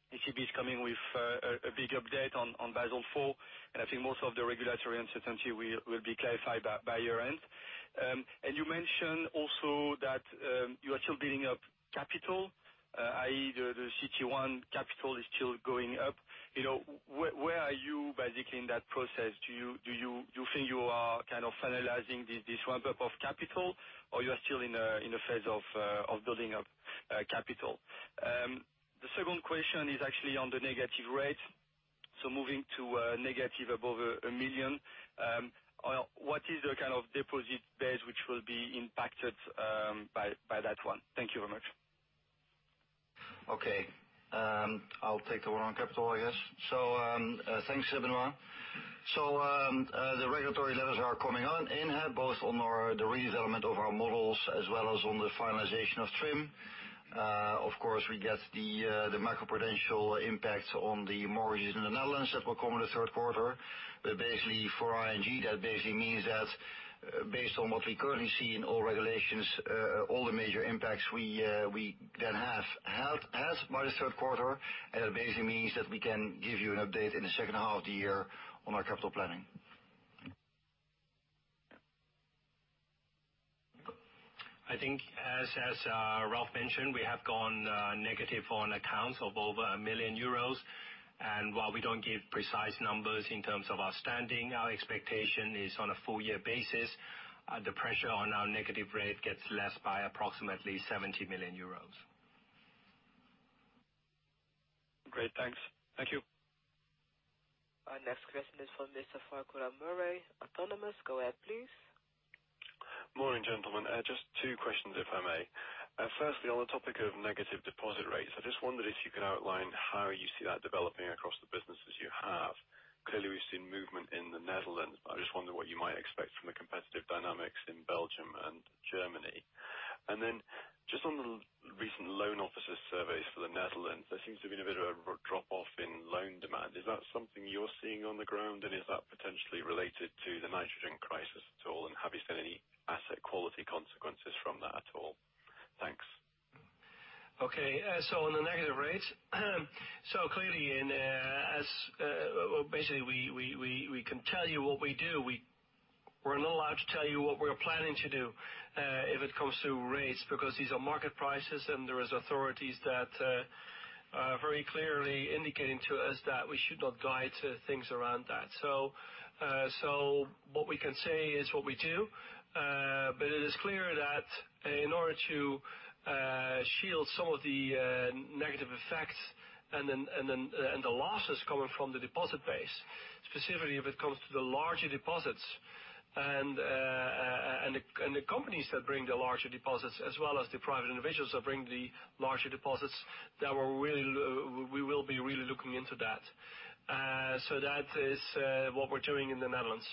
ECB is coming with a big update on Basel IV, and I think most of the regulatory uncertainty will be clarified by year-end. You mentioned also that you are still building up capital, i.e., the CET1 capital is still going up. Where are you basically in that process? Do you think you are finalizing this ramp-up of capital, or you are still in the phase of building up capital? The second question is actually on the negative rate, so moving to negative above 1 million. What is the kind of deposit base which will be impacted by that one? Thank you very much. I'll take the one on capital, I guess. Thanks, Benoit. The regulatory levels are coming on in, both on the redevelopment of our models as well as on the finalization of TRIM. Of course, we get the macro-prudential impacts on the mortgages in the Netherlands that will come in the third quarter. Basically, for ING, that basically means that based on what we currently see in all regulations, all the major impacts we then have had as by the third quarter. That basically means that we can give you an update in the second half of the year on our capital planning. I think as Ralph mentioned, we have gone negative on accounts of over 1 million euros. While we don't give precise numbers in terms of our standing, our expectation is on a full-year basis, the pressure on our negative rate gets less by approximately 70 million euros. Great. Thanks. Thank you. Our next question is from Mr. Farquhar Murray, Autonomous. Go ahead, please. Morning, gentlemen. Just two questions, if I may. Firstly, on the topic of negative deposit rates, I just wondered if you could outline how you see that developing across the businesses you have. Clearly, we've seen movement in the Netherlands. I just wonder what you might expect from the competitive dynamics in Belgium and Germany. Just on the recent loan officers' surveys for the Netherlands, there seems to have been a bit of a drop-off in loan demand. Is that something you're seeing on the ground? Is that potentially related to the nitrogen crisis at all? Have you seen any asset quality consequences from that at all? Thanks. Okay. On the negative rates, clearly, we can tell you what we do. We're not allowed to tell you what we're planning to do if it comes to rates, because these are market prices and there is authorities that are very clearly indicating to us that we should not guide things around that. What we can say is what we do. It is clear that in order to shield some of the negative effects and the losses coming from the deposit base, specifically if it comes to the larger deposits and the companies that bring the larger deposits, as well as the private individuals that bring the larger deposits, that we will be really looking into that. That is what we're doing in the Netherlands.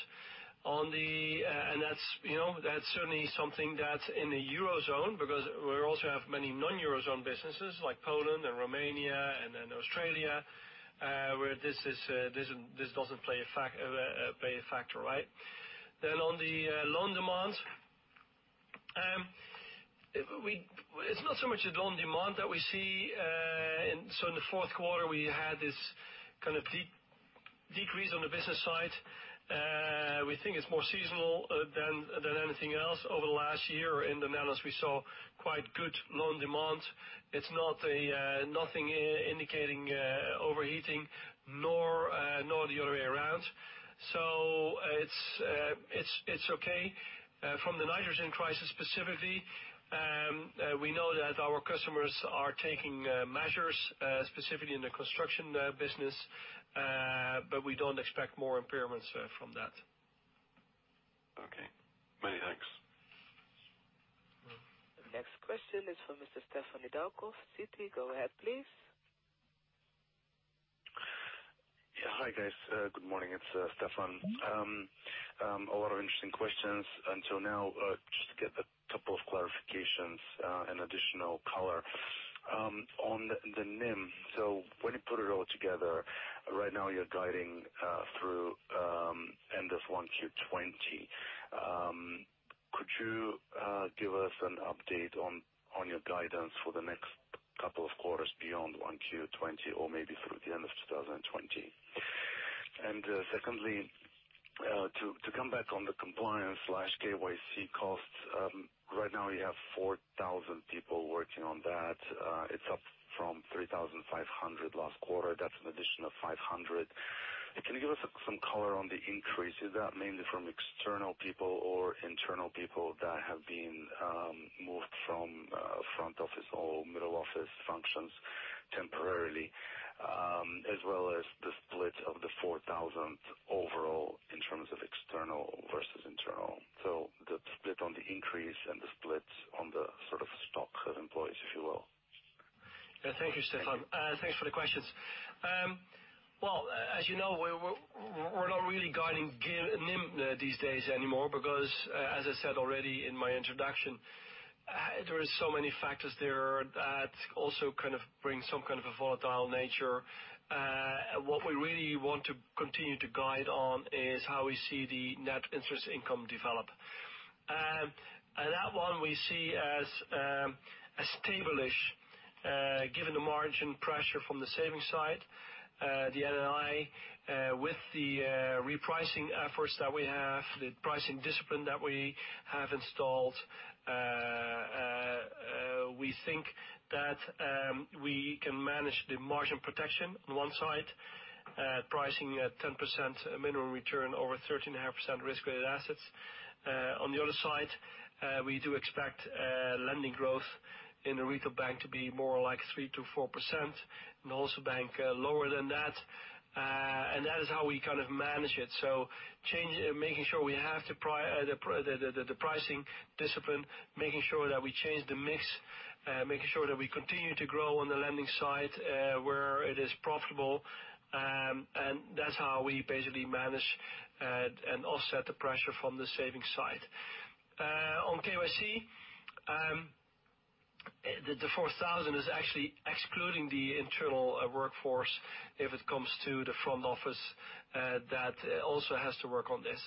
That's certainly something that's in the Eurozone, because we also have many non-Eurozone businesses like Poland and Romania and then Australia, where this doesn't play a factor. On the loan demand, it's not so much the loan demand that we see. In the fourth quarter, we had this kind of decrease on the business side. We think it's more seasonal than anything else. Over the last year in the Netherlands, we saw quite good loan demand. It's nothing indicating overheating, nor the other way around. It's okay. From the Nitrogen Crisis, specifically, we know that our customers are taking measures, specifically in the construction business, but we don't expect more impairments from that. Okay. Many thanks. The next question is from Mr. Stefan Nedialkov, Citi. Go ahead, please. Hi, guys. Good morning. It's Stefan. A lot of interesting questions until now. Just to get a couple of clarifications and additional color. On the NIM. When you put it all together, right now you're guiding through end of 1Q 2020. Could you give us an update on your guidance for the next couple of quarters beyond 1Q 2020 or maybe through the end of 2020? Secondly, to come back on the compliance/KYC costs. Right now, you have 4,000 people working on that. It's up from 3,500 last quarter. That's an addition of 500. Can you give us some color on the increase? Is that mainly from external people or internal people that have been moved from front office or middle office functions temporarily, as well as the split of the 4,000 overall in terms of external versus internal. The split on the increase and the split on the stock of employees, if you will. Thank you, Stefan. Thanks for the questions. As you know, we're not really guiding NIM these days anymore because, as I said already in my introduction, there are so many factors there that also bring some kind of a volatile nature. What we really want to continue to guide on is how we see the net interest income develop. That one we see as stable-ish, given the margin pressure from the savings side, the NII. With the repricing efforts that we have, the pricing discipline that we have installed, we think that we can manage the margin protection on one side, pricing at 10% minimum return over 13.5% risk-weighted assets. On the other side, we do expect lending growth in the retail bank to be more like 3%-4%, and also bank lower than that. That is how we manage it. Making sure we have the pricing discipline, making sure that we change the mix, making sure that we continue to grow on the lending side, where it is profitable, and that's how we basically manage and offset the pressure from the savings side. On KYC, the 4,000 is actually excluding the internal workforce if it comes to the front office that also has to work on this.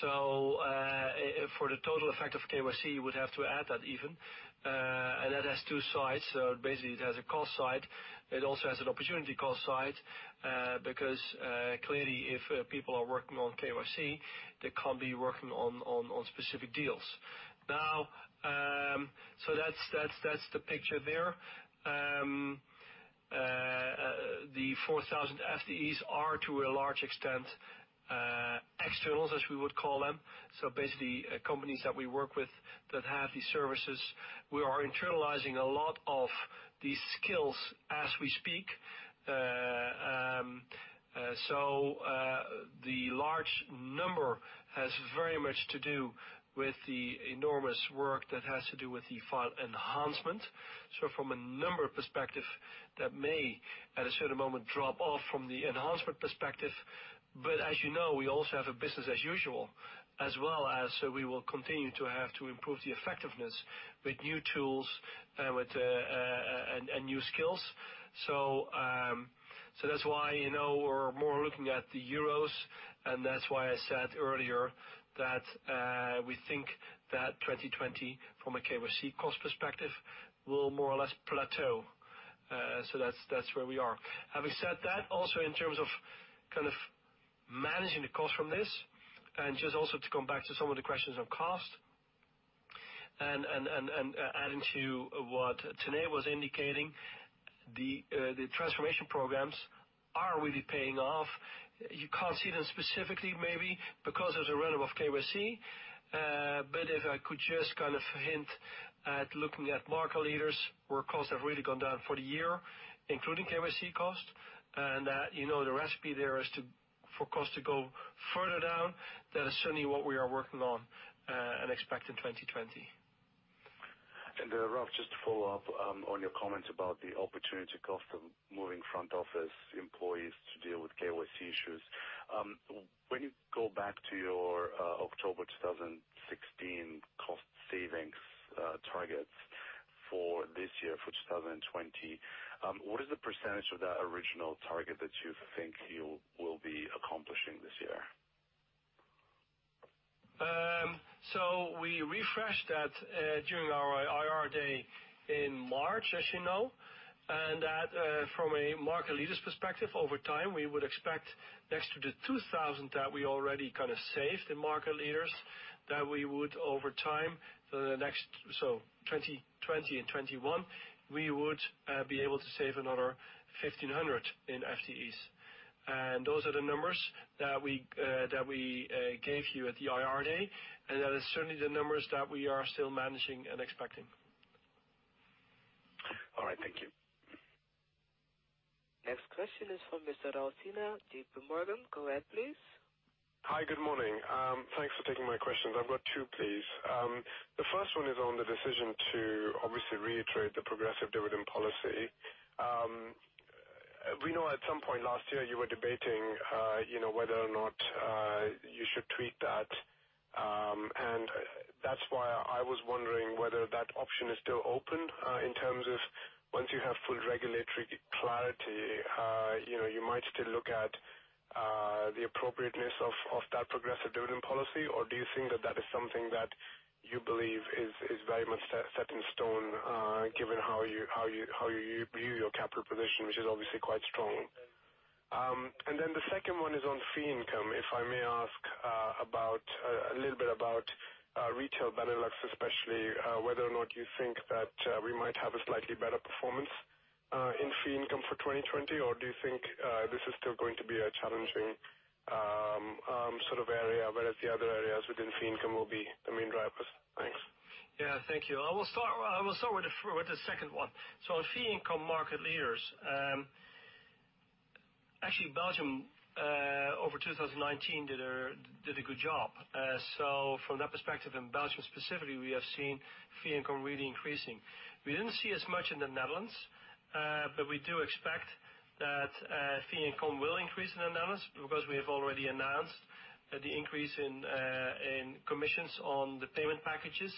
For the total effect of KYC, you would have to add that even. That has two sides. Basically, it has a cost side. It also has an opportunity cost side, because clearly if people are working on KYC, they can't be working on specific deals. That's the picture there. The 4,000 FTEs are to a large extent externals, as we would call them. Basically, companies that we work with that have these services. We are internalizing a lot of these skills as we speak. The large number has very much to do with the enormous work that has to do with the file enhancement. From a number perspective, that may, at a certain moment, drop off from the enhancement perspective. As you know, we also have a business as usual, as well as we will continue to have to improve the effectiveness with new tools and new skills. That's why we're more looking at the euros, and that's why I said earlier that we think that 2020, from a KYC cost perspective, will more or less plateau. That's where we are. Having said that, also in terms of managing the cost from this, and just also to come back to some of the questions on cost, and adding to what Tanate was indicating, the transformation programs are really paying off. You can't see them specifically, maybe, because there's a run of KYC. If I could just hint at looking at market leaders where costs have really gone down for the year, including KYC costs, and that the recipe there is for cost to go further down, that is certainly what we are working on and expect in 2020. Ralph, just to follow up on your comments about the opportunity cost of moving front office employees to deal with KYC issues. When you go back to your October 2016 cost savings targets for this year, for 2020, what is the percentage of that original target that you think you will be accomplishing this year? We refreshed that during our IR day in March, as you know. From a market leaders perspective, over time, we would expect next to the 2,000 that we already saved in market leaders, that we would over time for the next, 2020 and 2021, we would be able to save another 1,500 in FTEs. Those are the numbers that we gave you at the IR day, and that is certainly the numbers that we are still managing and expecting. All right. Thank you. Next question is from Mr. Raul Sinha, JPMorgan. Go ahead, please. Hi. Good morning. Thanks for taking my questions. I've got two, please. The first one is on the decision to obviously reiterate the progressive dividend policy. We know at some point last year you were debating whether or not you should tweak that. That's why I was wondering whether that option is still open in terms of once you have full regulatory clarity, you might still look at the appropriateness of that progressive dividend policy, or do you think that that is something that you believe is very much set in stone, given how you view your capital position, which is obviously quite strong. Then the second one is on fee income. If I may ask a little bit about retail Benelux especially, whether or not you think that we might have a slightly better performance in fee income for 2020, or do you think this is still going to be a challenging area, whereas the other areas within fee income will be the main drivers? Thanks. Yeah. Thank you. I will start with the second one. On fee income market leaders, actually Belgium, over 2019, did a good job. From that perspective, in Belgium specifically, we have seen fee income really increasing. We didn't see as much in the Netherlands, but we do expect that fee income will increase in the Netherlands because we have already announced the increase in commissions on the payment packages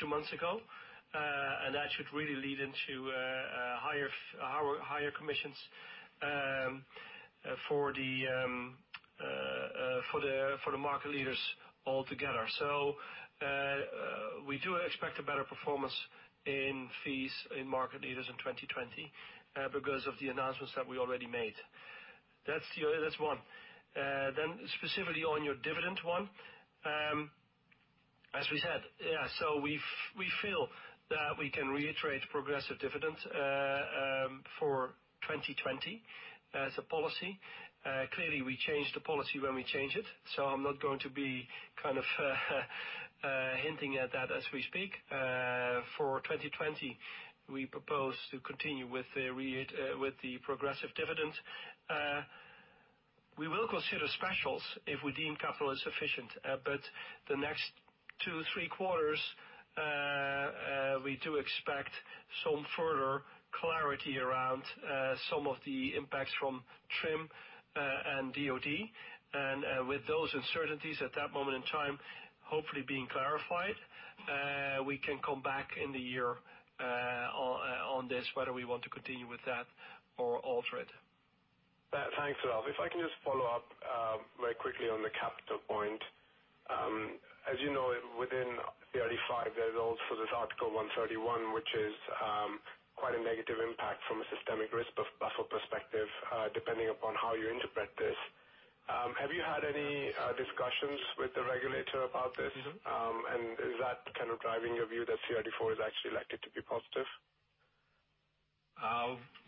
two months ago. That should really lead into higher commissions for the market leaders altogether. We do expect a better performance in fees in market leaders in 2020 because of the announcements that we already made. That's one. Specifically on your dividend one, as we said, so we feel that we can reiterate progressive dividends for 2020 as a policy. Clearly, we change the policy when we change it, so I'm not going to be hinting at that as we speak. For 2020, we propose to continue with the progressive dividend. We will consider specials if we deem capital is sufficient. The next two, three quarters, we do expect some further clarity around some of the impacts from TRIM and DoD. With those uncertainties at that moment in time, hopefully being clarified, we can come back in the year on this, whether we want to continue with that or alter it. Thanks, Ralph. If I can just follow up very quickly on the capital point. As you know, within CRD V, there's also this Article 131, which is quite a negative impact from a systemic risk buffer perspective, depending upon how you interpret this. Have you had any discussions with the regulator about this? Is that driving your view that CRD IV is actually likely to be positive?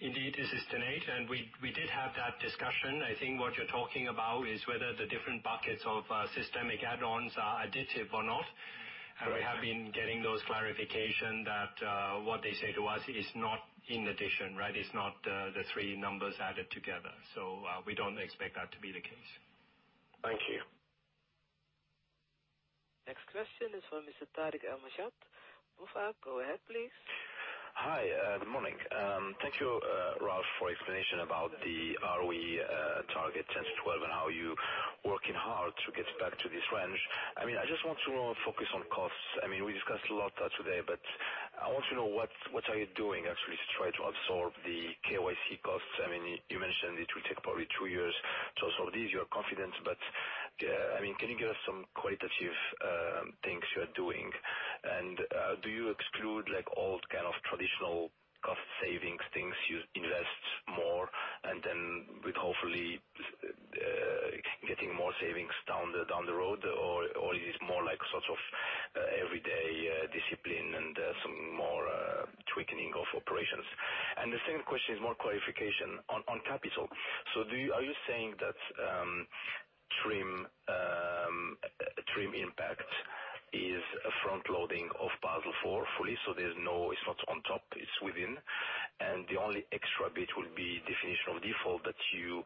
Indeed, this is Tanate. We did have that discussion. I think what you're talking about is whether the different buckets of systemic add-ons are additive or not. We have been getting those clarification that what they say to us is not in addition. It's not the three numbers added together. We don't expect that to be the case. Thank you. Next question is from Mr. Tarik El Mejjad, BofA. Go ahead, please. Hi. Good morning. Thank you for explanation about the ROE target 10-12 and how you working hard to get back to this range. I just want to focus on costs. I want to know what are you doing actually to try to absorb the KYC costs? You mentioned it will take probably two years to absorb these. You are confident, but can you give us some qualitative things you're doing? Do you exclude old kinds of traditional cost-saving things, you invest more and then with hopefully getting more savings down the road or is this more like everyday discipline and some more tweaking of operations? The second question is more qualification on capital. Are you saying that TRIM impact is a front loading of Basel IV fully, so it's not on top, it's within, and the only extra bit will be Definition of Default that you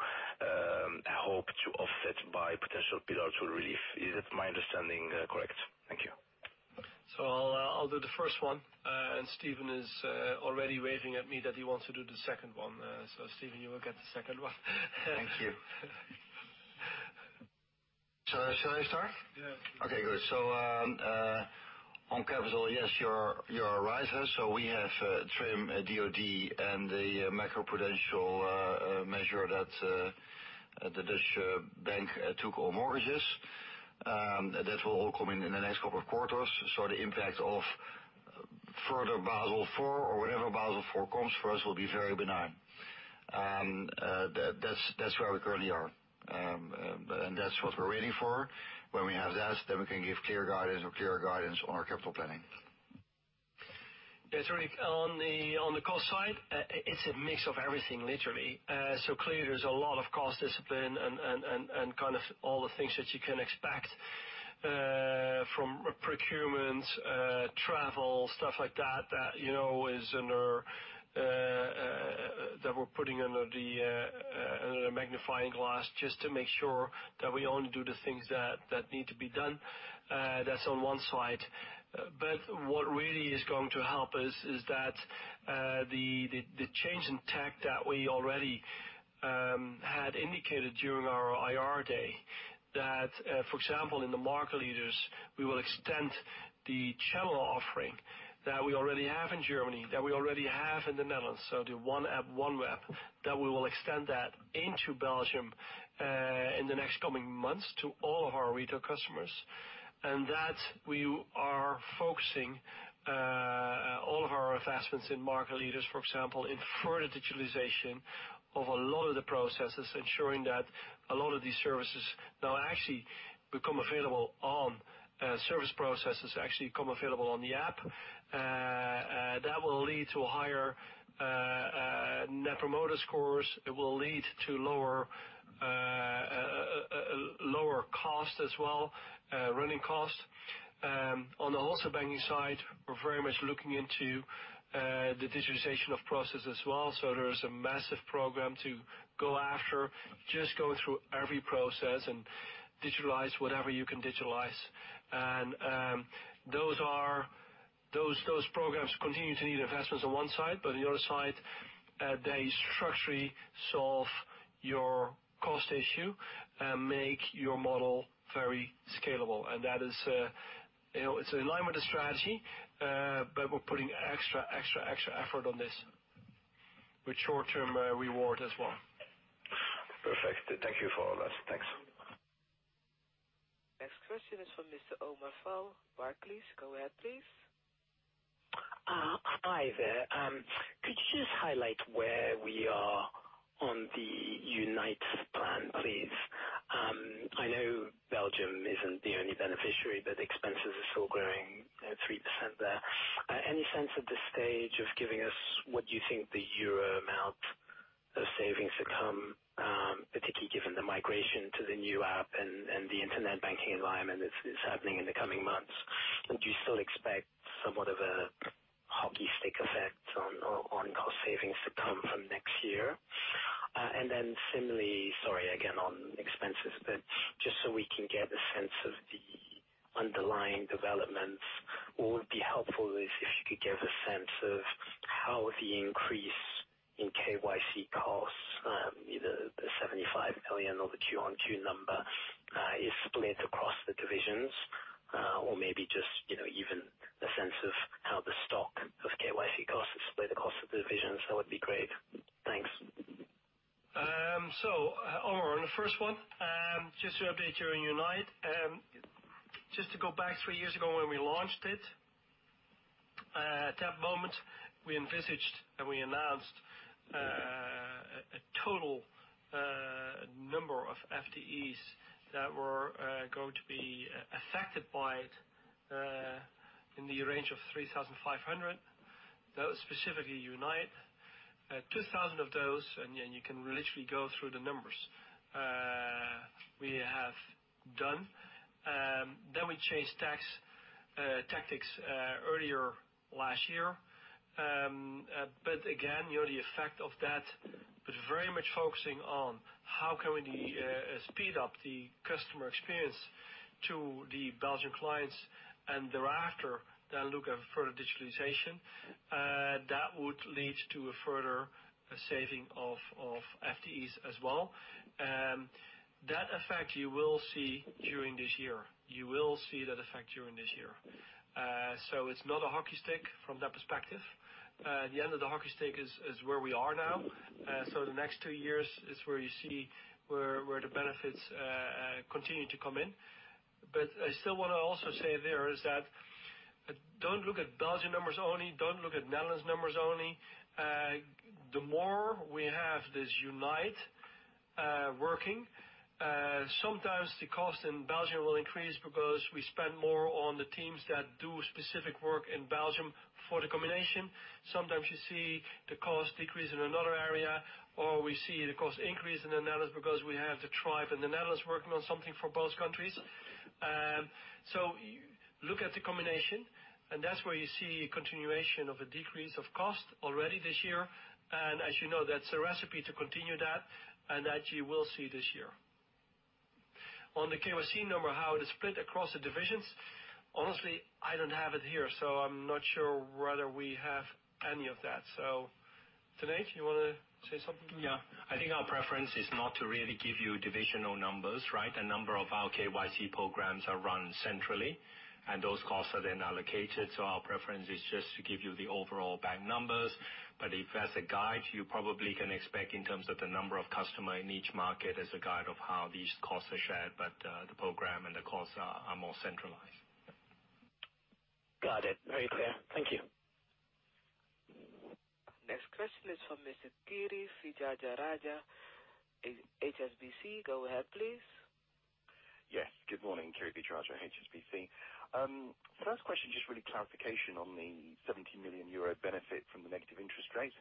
hope to offset by potential Pillar 2 relief? Is my understanding correct? Thank you. I'll do the first one, and Steven is already waving at me that he wants to do the second one. Steven, you will get the second one. Thank you. Shall I start? Yeah. On capital, yes, you're right. We have TRIM, DoD, and the macro-prudential measure that the Dutch bank took on mortgages. That will all come in in the next couple of quarters. The impact of further Basel IV or whatever Basel IV comes for us will be very benign. That's where we currently are. That's what we're waiting for. When we have that, then we can give clear guidance or clearer guidance on our capital planning. On the cost side, it's a mix of everything, literally. Clearly there's a lot of cost discipline and all the things that you can expect, from procurements, travel, stuff like that we're putting under the magnifying glass just to make sure that we only do the things that need to be done. That's on one side. What really is going to help us is that the change in tech that we already had indicated during our IR day that, for example, in the market leaders, we will extend the channel offering that we already have in Germany, that we already have in the Netherlands, so the one app, one web, that we will extend that into Belgium in the next coming months to all of our retail customers. That we are focusing all of our investments in market leaders, for example, in further digitalization of a lot of the processes, ensuring that Service processes actually become available on the app. That will lead to higher Net Promoter Score. It will lead to lower cost as well, running cost. On the wholesale banking side, we're very much looking into the digitization of process as well. There is a massive program to go after, just go through every process and digitalize whatever you can digitalize. Those programs continue to need investments on one side, on the other side, they structurally solve your cost issue and make your model very scalable. It's in line with the strategy, we're putting extra effort on this with short-term reward as well. Perfect. Thank you for all that. Thanks. Next question is from Mr. Omar Fall, Barclays. Go ahead, please. Hi there. Could you just highlight where we are on the Unite plan, please? I know Belgium isn't the only beneficiary; expenses are still growing at 3% there. Any sense at this stage of giving us what you think the EUR amount of savings to come, particularly given the migration to the new app and the internet banking environment that's happening in the coming months? Do you still expect somewhat of a hockey stick effect on cost savings to come from next year? Similarly, sorry, again, on expenses, but just so we can get a sense of the underlying developments, what would be helpful is if you could give a sense of how the increase in KYC costs, either the 75 million or the Q1Q number, is split across the divisions. Maybe just even a sense of how the stock of KYC costs is split across the divisions. That would be great. Thanks. Omar, on the first one, just to update you on Unite. To go back three years ago when we launched it, at that moment, we envisaged and we announced a total number of FTEs that were going to be affected by it, in the range of 3,500. That was specifically Unite. 2,000 of those, and you can literally go through the numbers we have done. We changed tactics earlier last year. Again, the effect of that pretty much focusing on how can we speed up the customer experience to the Belgian clients, and thereafter, then look at further digitalization. That would lead to a further saving of FTEs as well. That effect you will see during this year. You will see that effect during this year. It's not a hockey stick from that perspective. The end of the hockey stick is where we are now. The next two years is where you see where the benefits continue to come in. I still want to also say there is that, don't look at Belgian numbers only, don't look at Netherlands numbers only. The more we have this Unite working, sometimes the cost in Belgium will increase because we spend more on the teams that do specific work in Belgium for the combination. Sometimes you see the cost decrease in another area, or we see the cost increase in the Netherlands because we have the tribe in the Netherlands working on something for both countries. Look at the combination, and that's where you see a continuation of a decrease of cost already this year. As you know, that's a recipe to continue that, and that you will see this year. On the KYC number, how it is split across the divisions, honestly, I don't have it here, so I'm not sure whether we have any of that. Tanate, do you want to say something? Yeah. I think our preference is not to really give you divisional numbers, right? A number of our KYC programs are run centrally, and those costs are then allocated. Our preference is just to give you the overall bank numbers. If that's a guide, you probably can expect in terms of the number of customer in each market as a guide of how these costs are shared, but the program and the costs are more centralized. Got it. Very clear. Thank you. Next question is from Mr. Kiri Vijayarajah, HSBC. Go ahead, please. Yes, good morning. Kiri Vijayarajah, HSBC. First question, just really clarification on the EUR 70 million benefit from the negative interest rate.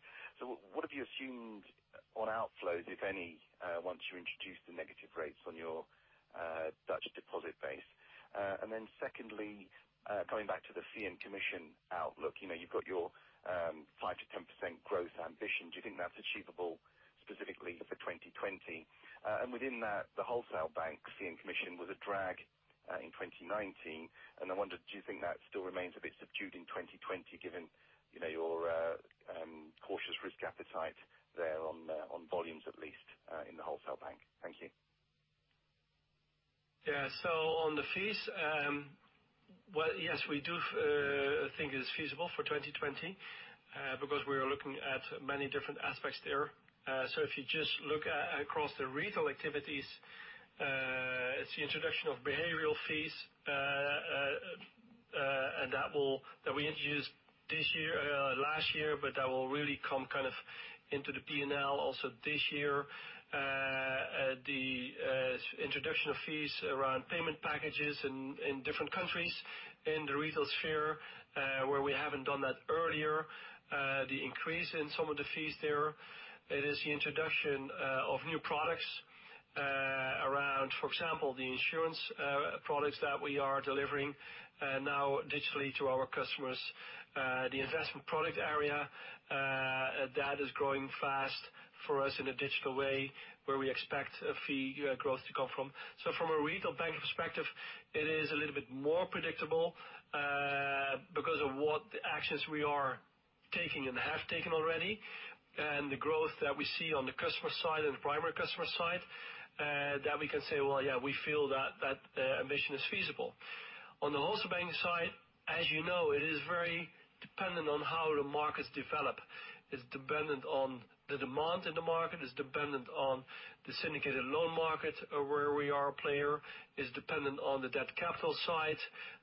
Then secondly, going back to the fee and commission outlook. You've got your 5%-10% growth ambition. Do you think that's achievable specifically for 2020? And within that, the wholesale bank fee and commission was a drag, in 2019, and I wondered, do you think that still remains a bit subdued in 2020 given your cautious risk appetite there on volumes, at least, in the wholesale bank? Thank you. On the fees, well, yes, we do think it's feasible for 2020, because we are looking at many different aspects there. If you just look across the retail activities, it's the introduction of behavioral fees, that we introduced last year, but that will really come kind of into the P&L also this year. The introduction of fees around payment packages in different countries in the retail sphere, where we haven't done that earlier. The increase in some of the fees there. It is the introduction of new products, around, for example, the insurance products that we are delivering now digitally to our customers. The investment product area, that is growing fast for us in a digital way where we expect a fee growth to come from. From a retail bank perspective, it is a little bit more predictable, because of what actions we are taking and have taken already, and the growth that we see on the customer side and the primary customer side, that we can say, well, yeah, we feel that that ambition is feasible. On the wholesale banking side, as you know, it is very dependent on how the markets develop. It's dependent on the demand in the market, it's dependent on the syndicated loan market, where we are a player. It's dependent on the debt capital side,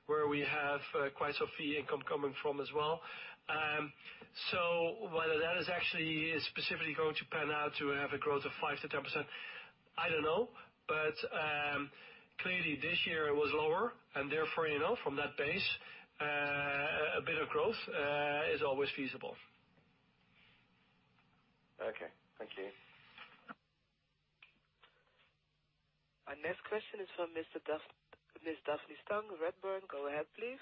where we have quite some fee income coming from as well. Whether that is actually specifically going to pan out to have a growth of 5%-10%, I don't know. Clearly this year it was lower and therefore, from that base, a bit of growth is always feasible. Okay. Thank you. Our next question is from Ms. Daphne Tsang, Redburn. Go ahead, please.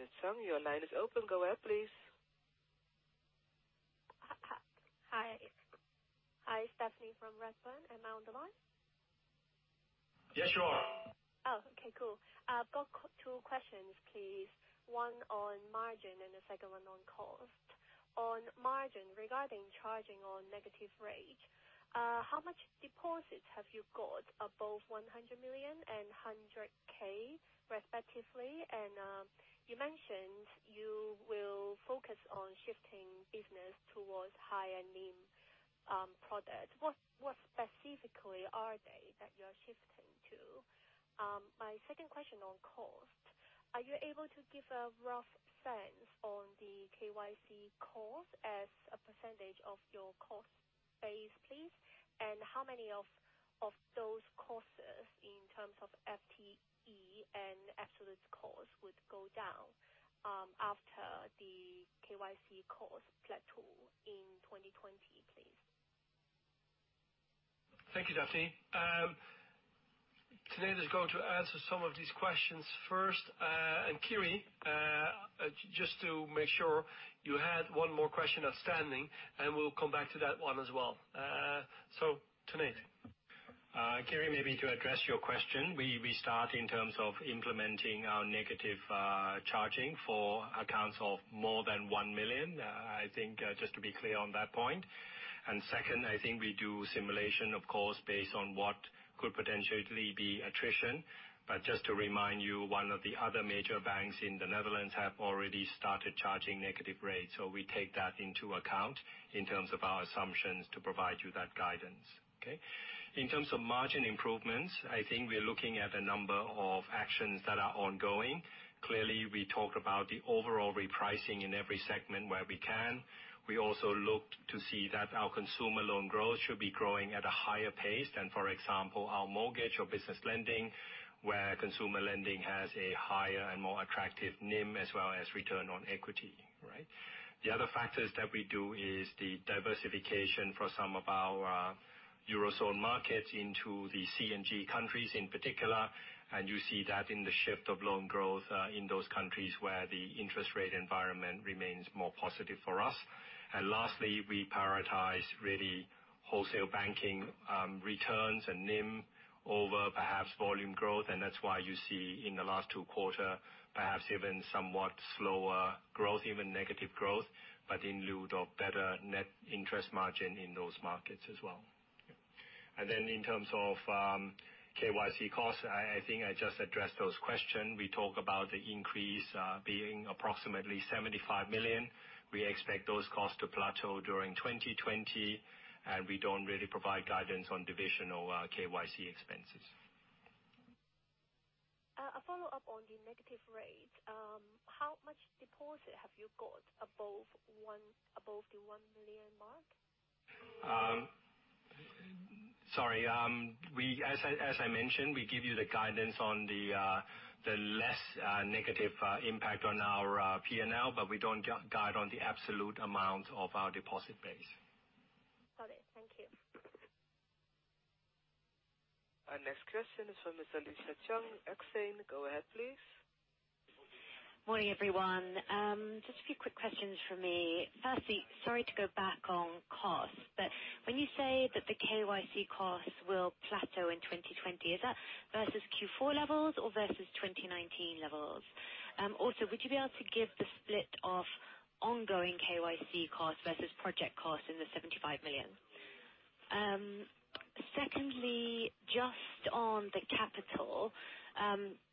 Ms. Tsang, your line is open. Go ahead, please. Hi, it's Daphne from Redburn. Am I on the line? Yes, you are. Oh, okay, cool. I've got two questions please. One on margin and the second one on cost. On margin, regarding charging on negative rate, how much deposits have you got above 100 million and 100K respectively? You mentioned you will focus on shifting business towards higher NIM products. What specifically are they that you're shifting to? My second question on cost. Are you able to give a rough sense on the KYC cost as a % of your cost base, please? How many of those costs in terms of FTE and absolute cost would go down after the KYC cost plateau in 2020, please? Thank you, Daphne. Today, they're going to answer some of these questions first. Kiri, just to make sure, you had one more question outstanding, and we'll come back to that one as well. Tanate? Kiri, maybe to address your question, we start in terms of implementing our negative charging for accounts of more than 1 million, I think, just to be clear on that point. Second, I think we do simulation, of course, based on what could potentially be attrition. Just to remind you, one of the other major banks in the Netherlands have already started charging negative rates. We take that into account in terms of our assumptions to provide you that guidance. Okay? In terms of margin improvements, I think we're looking at a number of actions that are ongoing. Clearly, we talked about the overall repricing in every segment where we can. We also looked to see that our consumer loan growth should be growing at a higher pace than, for example, our mortgage or business lending, where consumer lending has a higher and more attractive NIM as well as return on equity. Right? The other factors that we do is the diversification for some of our Euro zone markets into the CNG countries, in particular. You see that in the shift of loan growth in those countries where the interest rate environment remains more positive for us. Lastly, we prioritize really wholesale banking returns and NIM over perhaps volume growth. That's why you see in the last two quarter, perhaps even somewhat slower growth, even negative growth, but in lieu of better net interest margin in those markets as well. In terms of KYC costs, I think I just addressed those question. We talk about the increase being approximately 75 million. We expect those costs to plateau during 2020. We don't really provide guidance on divisional KYC expenses. A follow-up on the negative rates. How much deposit have you got above the EUR 1 million mark? Sorry. As I mentioned, we give you the guidance on the less negative impact on our P&L, but we don't guide on the absolute amount of our deposit base. Got it. Thank you. Our next question is from Alicia Chung, Exane. Go ahead, please. Morning, everyone. Just a few quick questions from me. Firstly, sorry to go back on cost, but when you say that the KYC cost will plateau in 2020, is that versus Q4 levels or versus 2019 levels? Would you be able to give the split of ongoing KYC costs versus project costs in the 75 million? Secondly, just on the capital,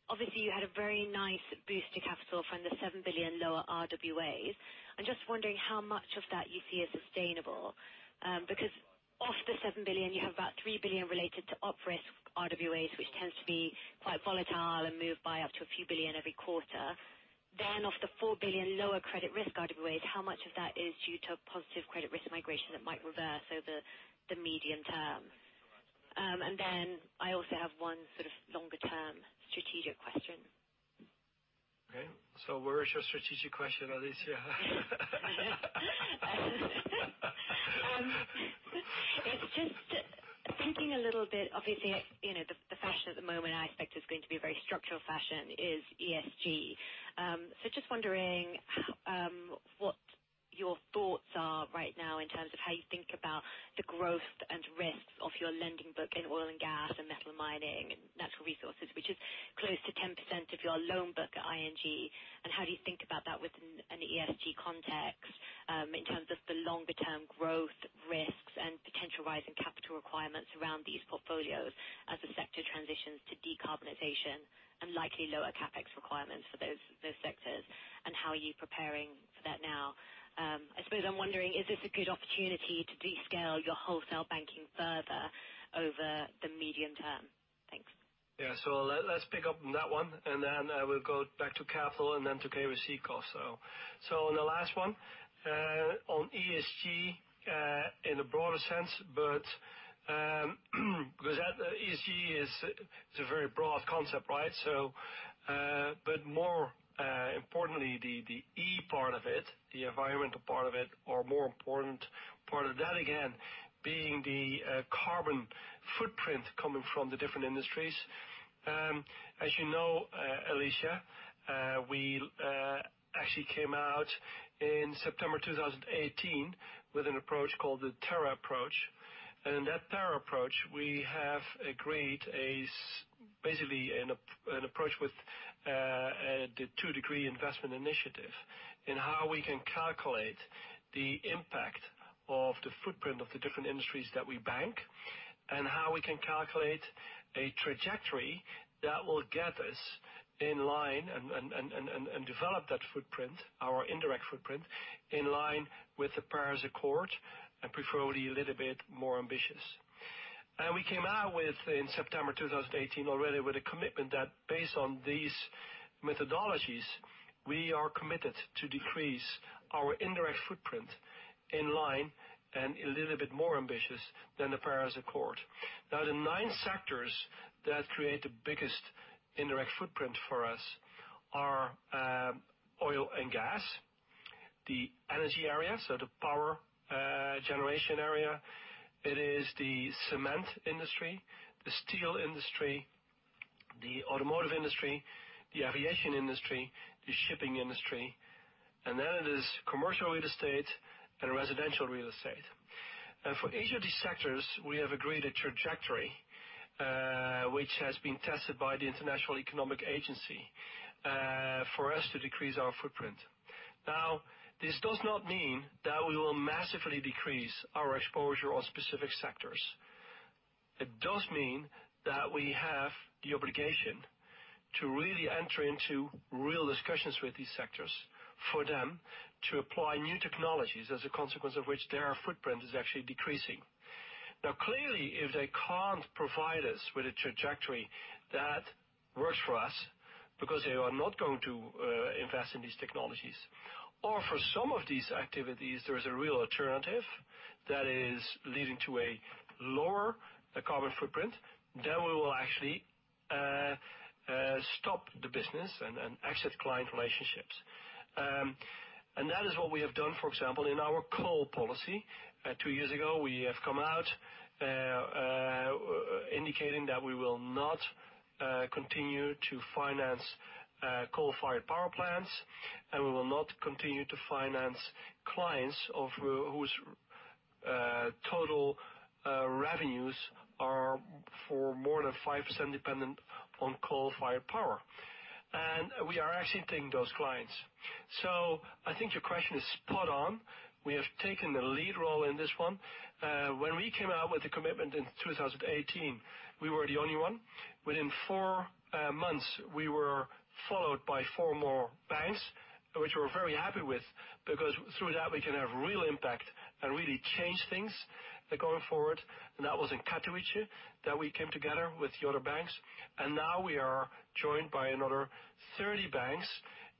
obviously, you had a very nice boost to capital from the 7 billion lower RWAs. I'm just wondering how much of that you see as sustainable, because of the 7 billion, you have about 3 billion related to op risk RWAs, which tends to be quite volatile and move by up to a few billion every quarter. Of the 4 billion lower credit risk RWAs, how much of that is due to positive credit risk migration that might reverse over the medium term? I also have one sort of longer term strategic question. Okay. Where is your strategic question, Alicia? It's just thinking a little bit, obviously, the fashion at the moment, and I expect it's going to be a very structural fashion, is ESG. Just wondering what your thoughts are right now in terms of how you think about the growth and risks of your lending book in oil and gas and metal mining and natural resources, which is close to 10% of your loan book at ING. How do you think about that within an ESG context in terms of the longer term growth risks and potential rise in capital requirements around these portfolios as the sector transitions to decarbonization and likely lower CapEx requirements for those sectors? How are you preparing for that now? I suppose I'm wondering, is this a good opportunity to descale your wholesale banking further over the medium term? Thanks. Yeah. Let's pick up on that one, and then we'll go back to capital and then to KYC cost. On the last one, on ESG, in a broader sense, because ESG is a very broad concept, right? More importantly, the E part of it, the environmental part of it, or more important part of that again, being the carbon footprint coming from the different industries. As you know, Alicia, we actually came out in September 2018 with an approach called the Terra approach. In that Terra approach, we have agreed basically an approach with the 2° Investing Initiative in how we can calculate the impact of the footprint of the different industries that we bank, and how we can calculate a trajectory that will get us in line and develop that footprint, our indirect footprint, in line with the Paris Agreement, and preferably a little bit more ambitious. We came out with, in September 2018 already, with a commitment that based on these methodologies, we are committed to decrease our indirect footprint in line and a little bit more ambitious than the Paris Agreement. The nine sectors that create the biggest indirect footprint for us are oil and gas, the energy area, so the power generation area. It is the cement industry, the steel industry, the automotive industry, the aviation industry, the shipping industry, and then it is commercial real estate and residential real estate. For each of these sectors, we have agreed a trajectory, which has been tested by the International Energy Agency, for us to decrease our footprint. Now, this does not mean that we will massively decrease our exposure on specific sectors. It does mean that we have the obligation to really enter into real discussions with these sectors for them to apply new technologies, as a consequence of which their footprint is actually decreasing. Clearly, if they can't provide us with a trajectory that works for us because they are not going to invest in these technologies, or for some of these activities, there is a real alternative that is leading to a lower carbon footprint, then we will actually stop the business and exit client relationships. That is what we have done, for example, in our coal policy. Two years ago, we have come out indicating that we will not continue to finance coal-fired power plants, and we will not continue to finance clients whose total revenues are for more than 5% dependent on coal-fired power. We are exiting those clients. I think your question is spot on. We have taken a lead role in this one. When we came out with the commitment in 2018, we were the only one. Within four months, we were followed by four more banks, which we're very happy with because through that we can have real impact and really change things going forward. That was in Katowice that we came together with the other banks, and now we are joined by another 30 banks,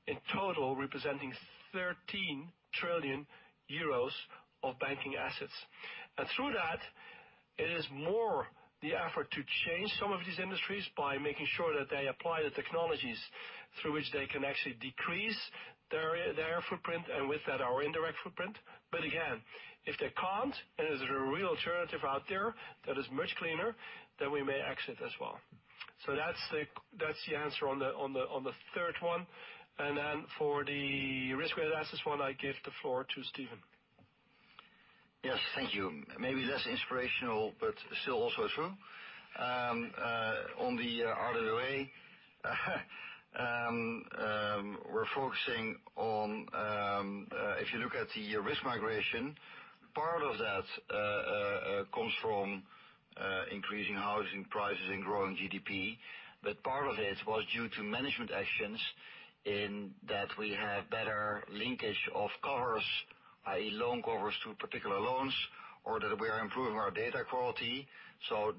in total representing 13 trillion euros of banking assets. Through that, it is more the effort to change some of these industries by making sure that they apply the technologies through which they can actually decrease their footprint and with that, our indirect footprint. Again, if they can't, and there's a real alternative out there that is much cleaner, then we may exit as well. That's the answer on the third one. For the risk-weighted assets one, I give the floor to Steven. Yes. Thank you. Maybe less inspirational, but still also true. On the RWA, we're focusing on, if you look at the risk migration, part of that comes from increasing housing prices and growing GDP. Part of it was due to management actions in that we have better linkage of covers, i.e., loan covers to particular loans, or that we are improving our data quality.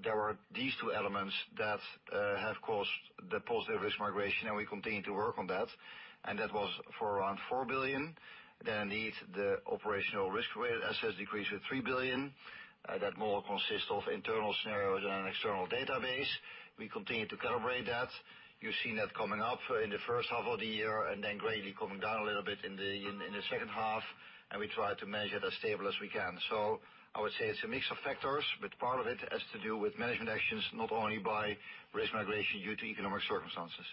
There were these two elements that have caused the positive risk migration, and we continue to work on that. That was for around 4 billion. Indeed, the operational risk-weighted assets decreased to 3 billion. That more consists of internal scenarios than an external database. We continue to calibrate that. You've seen that coming up in the first half of the year and then gradually coming down a little bit in the second half, and we try to measure it as stable as we can. I would say it's a mix of factors, but part of it has to do with management actions, not only by risk migration due to economic circumstances.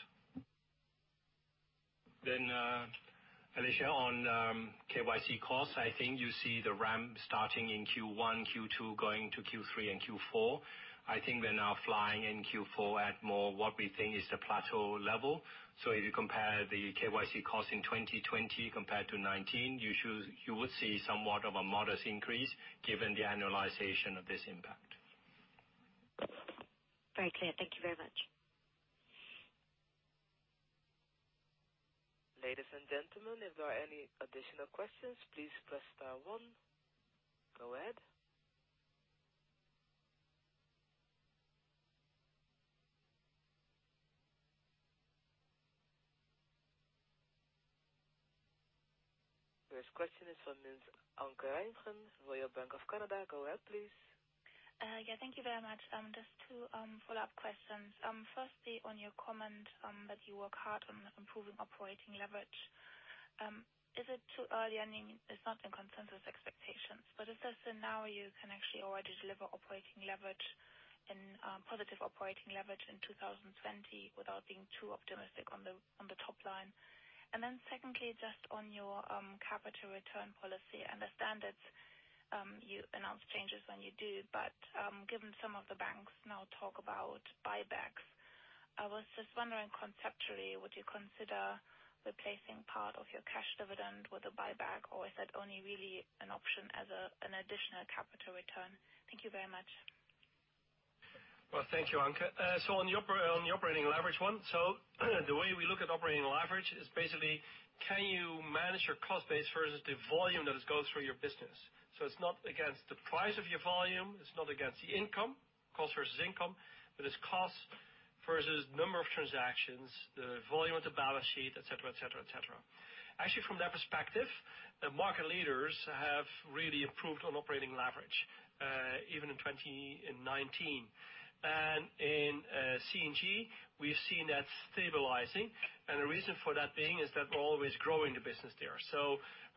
Alicia, on KYC costs, I think you see the ramp starting in Q1, Q2, going to Q3 and Q4. I think they're now flying in Q4 at more what we think is the plateau level. If you compare the KYC cost in 2020 compared to 2019, you would see somewhat of a modest increase given the annualization of this impact. Very clear. Thank you very much. Ladies and gentlemen, if there are any additional questions, please press star one. Go ahead. First question is from Ms. Anke Reingen, Royal Bank of Canada. Go ahead, please. Yeah. Thank you very much. Just two follow-up questions. Firstly, on your comment that you work hard on improving operating leverage. Is it too early, I mean, it's not in consensus expectations, but is this now you can actually already deliver operating leverage and positive operating leverage in 2020 without being too optimistic on the top line? Then secondly, just on your capital return policy, I understand that you announce changes when you do, but given some of the banks now talk about buybacks, I was just wondering conceptually, would you consider replacing part of your cash dividend with a buyback, or is that only really an option as an additional capital return? Thank you very much. Well, thank you, Anke. On the operating leverage one, the way we look at operating leverage is basically, can you manage your cost base versus the volume that goes through your business? It's not against the price of your volume, it's not against the income, cost versus income. It's cost versus number of transactions, the volume of the balance sheet, et cetera. Actually, from that perspective, the market leaders have really improved on operating leverage. Even in 2019. In C&G, we've seen that stabilizing. The reason for that being is that we're always growing the business there.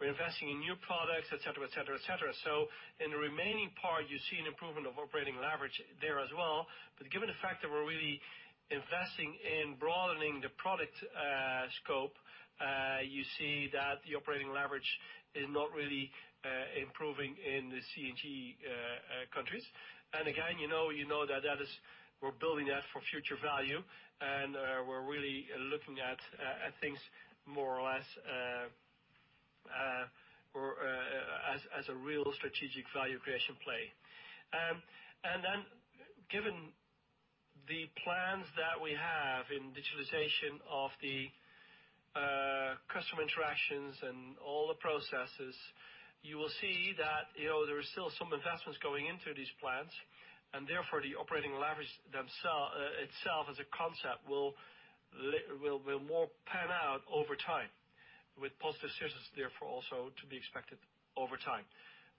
We're investing in new products, et cetera. In the remaining part, you see an improvement of operating leverage there as well. Given the fact that we're really investing in broadening the product scope, you see that the operating leverage is not really improving in the C&G countries. Again, you know that we're building that for future value, and we're really looking at things more or less as a real strategic value creation play. Given the plans that we have in digitalization of the customer interactions and all the processes, you will see that there is still some investments going into these plans, and therefore the operating leverage itself as a concept will more pan out over time with positive scissors, therefore, also to be expected over time.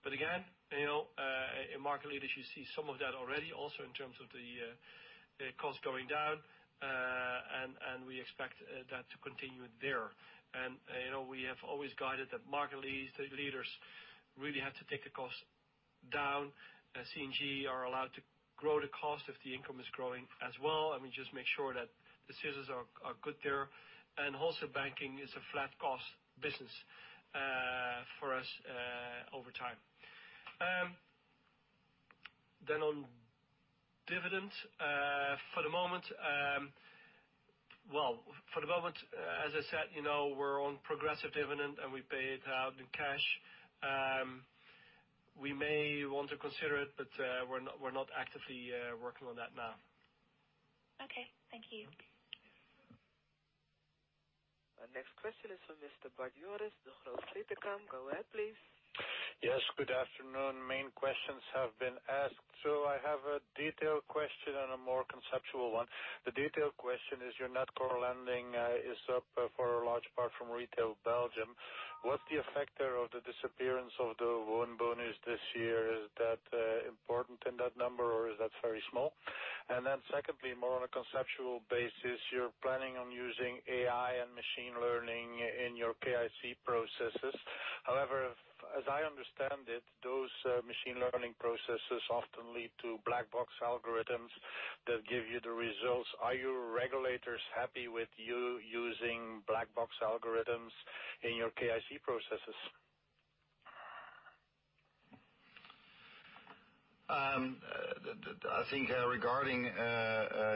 Again, in Market Leaders you see some of that already also in terms of the cost going down, and we expect that to continue there. We have always guided that market leaders really had to take the cost down. C&G are allowed to grow the cost if the income is growing as well. We just make sure that the scissors are good there. Wholesale Banking is a flat cost business for us over time. On dividends. For the moment, as I said, we're on progressive dividend, and we pay it out in cash. We may want to consider it, but we're not actively working on that now. Okay. Thank you. Next question is from Mr. Bart Jooris, Degroof Petercam. Go ahead, please. Yes, good afternoon. Main questions have been asked. I have a detailed question and a more conceptual one. The detailed question is your net core lending is up for a large part from Retail Belgium. What's the effect there of the disappearance of the loan bonus this year? Is that important in that number, or is that very small? Secondly, more on a conceptual basis, you're planning on using AI and machine learning in your KYC processes. However, as I understand it, those machine learning processes often lead to black box algorithms that give you the results. Are your regulators happy with you using black box algorithms in your KYC processes? I think regarding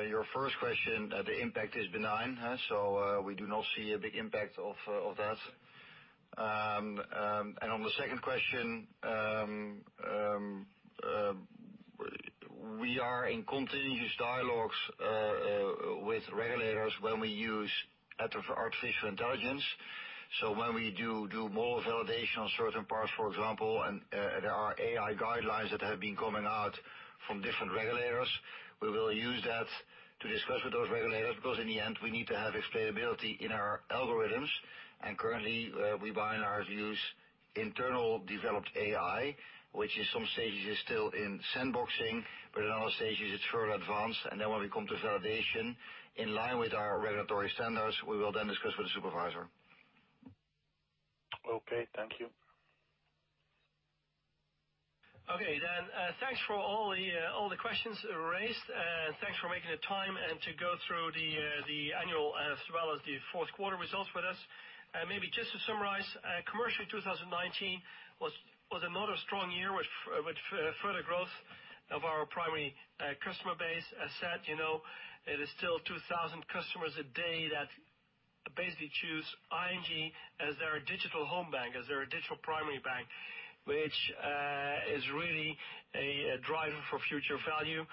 your first question, the impact is benign. We do not see a big impact of that. On the second question, we are in continuous dialogues with regulators when we use artificial intelligence. When we do more validation on certain parts, for example, and there are AI guidelines that have been coming out from different regulators, we will use that to discuss with those regulators, because in the end, we need to have explainability in our algorithms. Currently, we buy in our views internal developed AI, which in some stages is still in sandboxing, but in other stages it's further advanced. When we come to validation in line with our regulatory standards, we will then discuss with the supervisor. Okay, thank you. Okay. Thanks for all the questions raised, and thanks for making the time and to go through the annual as well as the fourth quarter results with us. Maybe just to summarize, commercially, 2019 was another strong year with further growth of our primary customer base asset. It is still 2,000 customers a day that basically choose ING as their digital home bank, as their digital primary bank, which is really a driver for future value.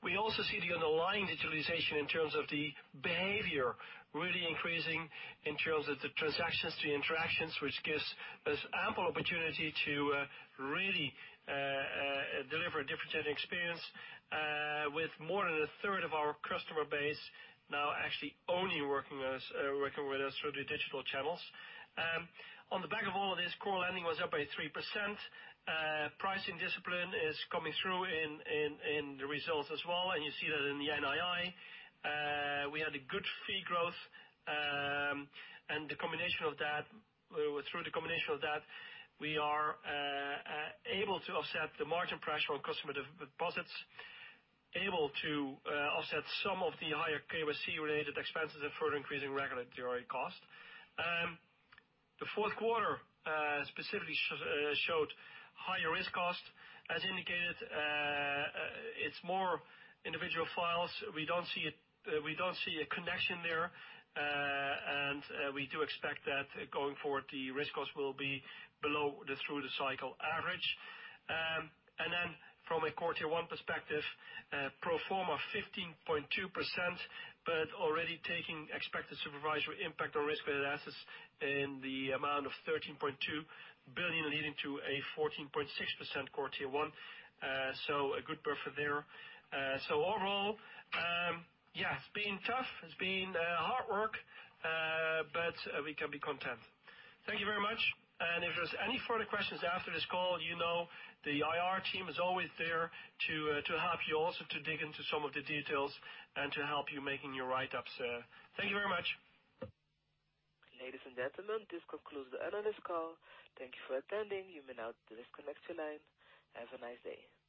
We also see the underlying digitalization in terms of the behavior really increasing in terms of the transactions, the interactions, which gives us ample opportunity to really deliver a differentiated experience with more than a third of our customer base now actually only working with us through the digital channels. On the back of all of this, core lending was up by 3%. Pricing discipline is coming through in the results as well. You see that in the NII. We had a good fee growth. Through the combination of that, we are able to offset the margin pressure on customer deposits, able to offset some of the higher KYC-related expenses and further increasing regulatory cost. The fourth quarter specifically showed higher risk cost. As indicated, it's more individual files. We don't see a connection there. We do expect that going forward, the risk cost will be below through the cycle average. From a quarter one perspective, pro forma 15.2%, but already taking expected supervisory impact on risk-weighted assets in the amount of 13.2 billion, leading to a 14.6% core Tier 1. A good buffer there. Overall, it's been tough, it's been hard work, but we can be content. Thank you very much. If there's any further questions after this call, you know the IR team is always there to help you also to dig into some of the details and to help you making your write-ups. Thank you very much. Ladies and gentlemen, this concludes the analyst call. Thank you for attending. You may now disconnect your line. Have a nice day.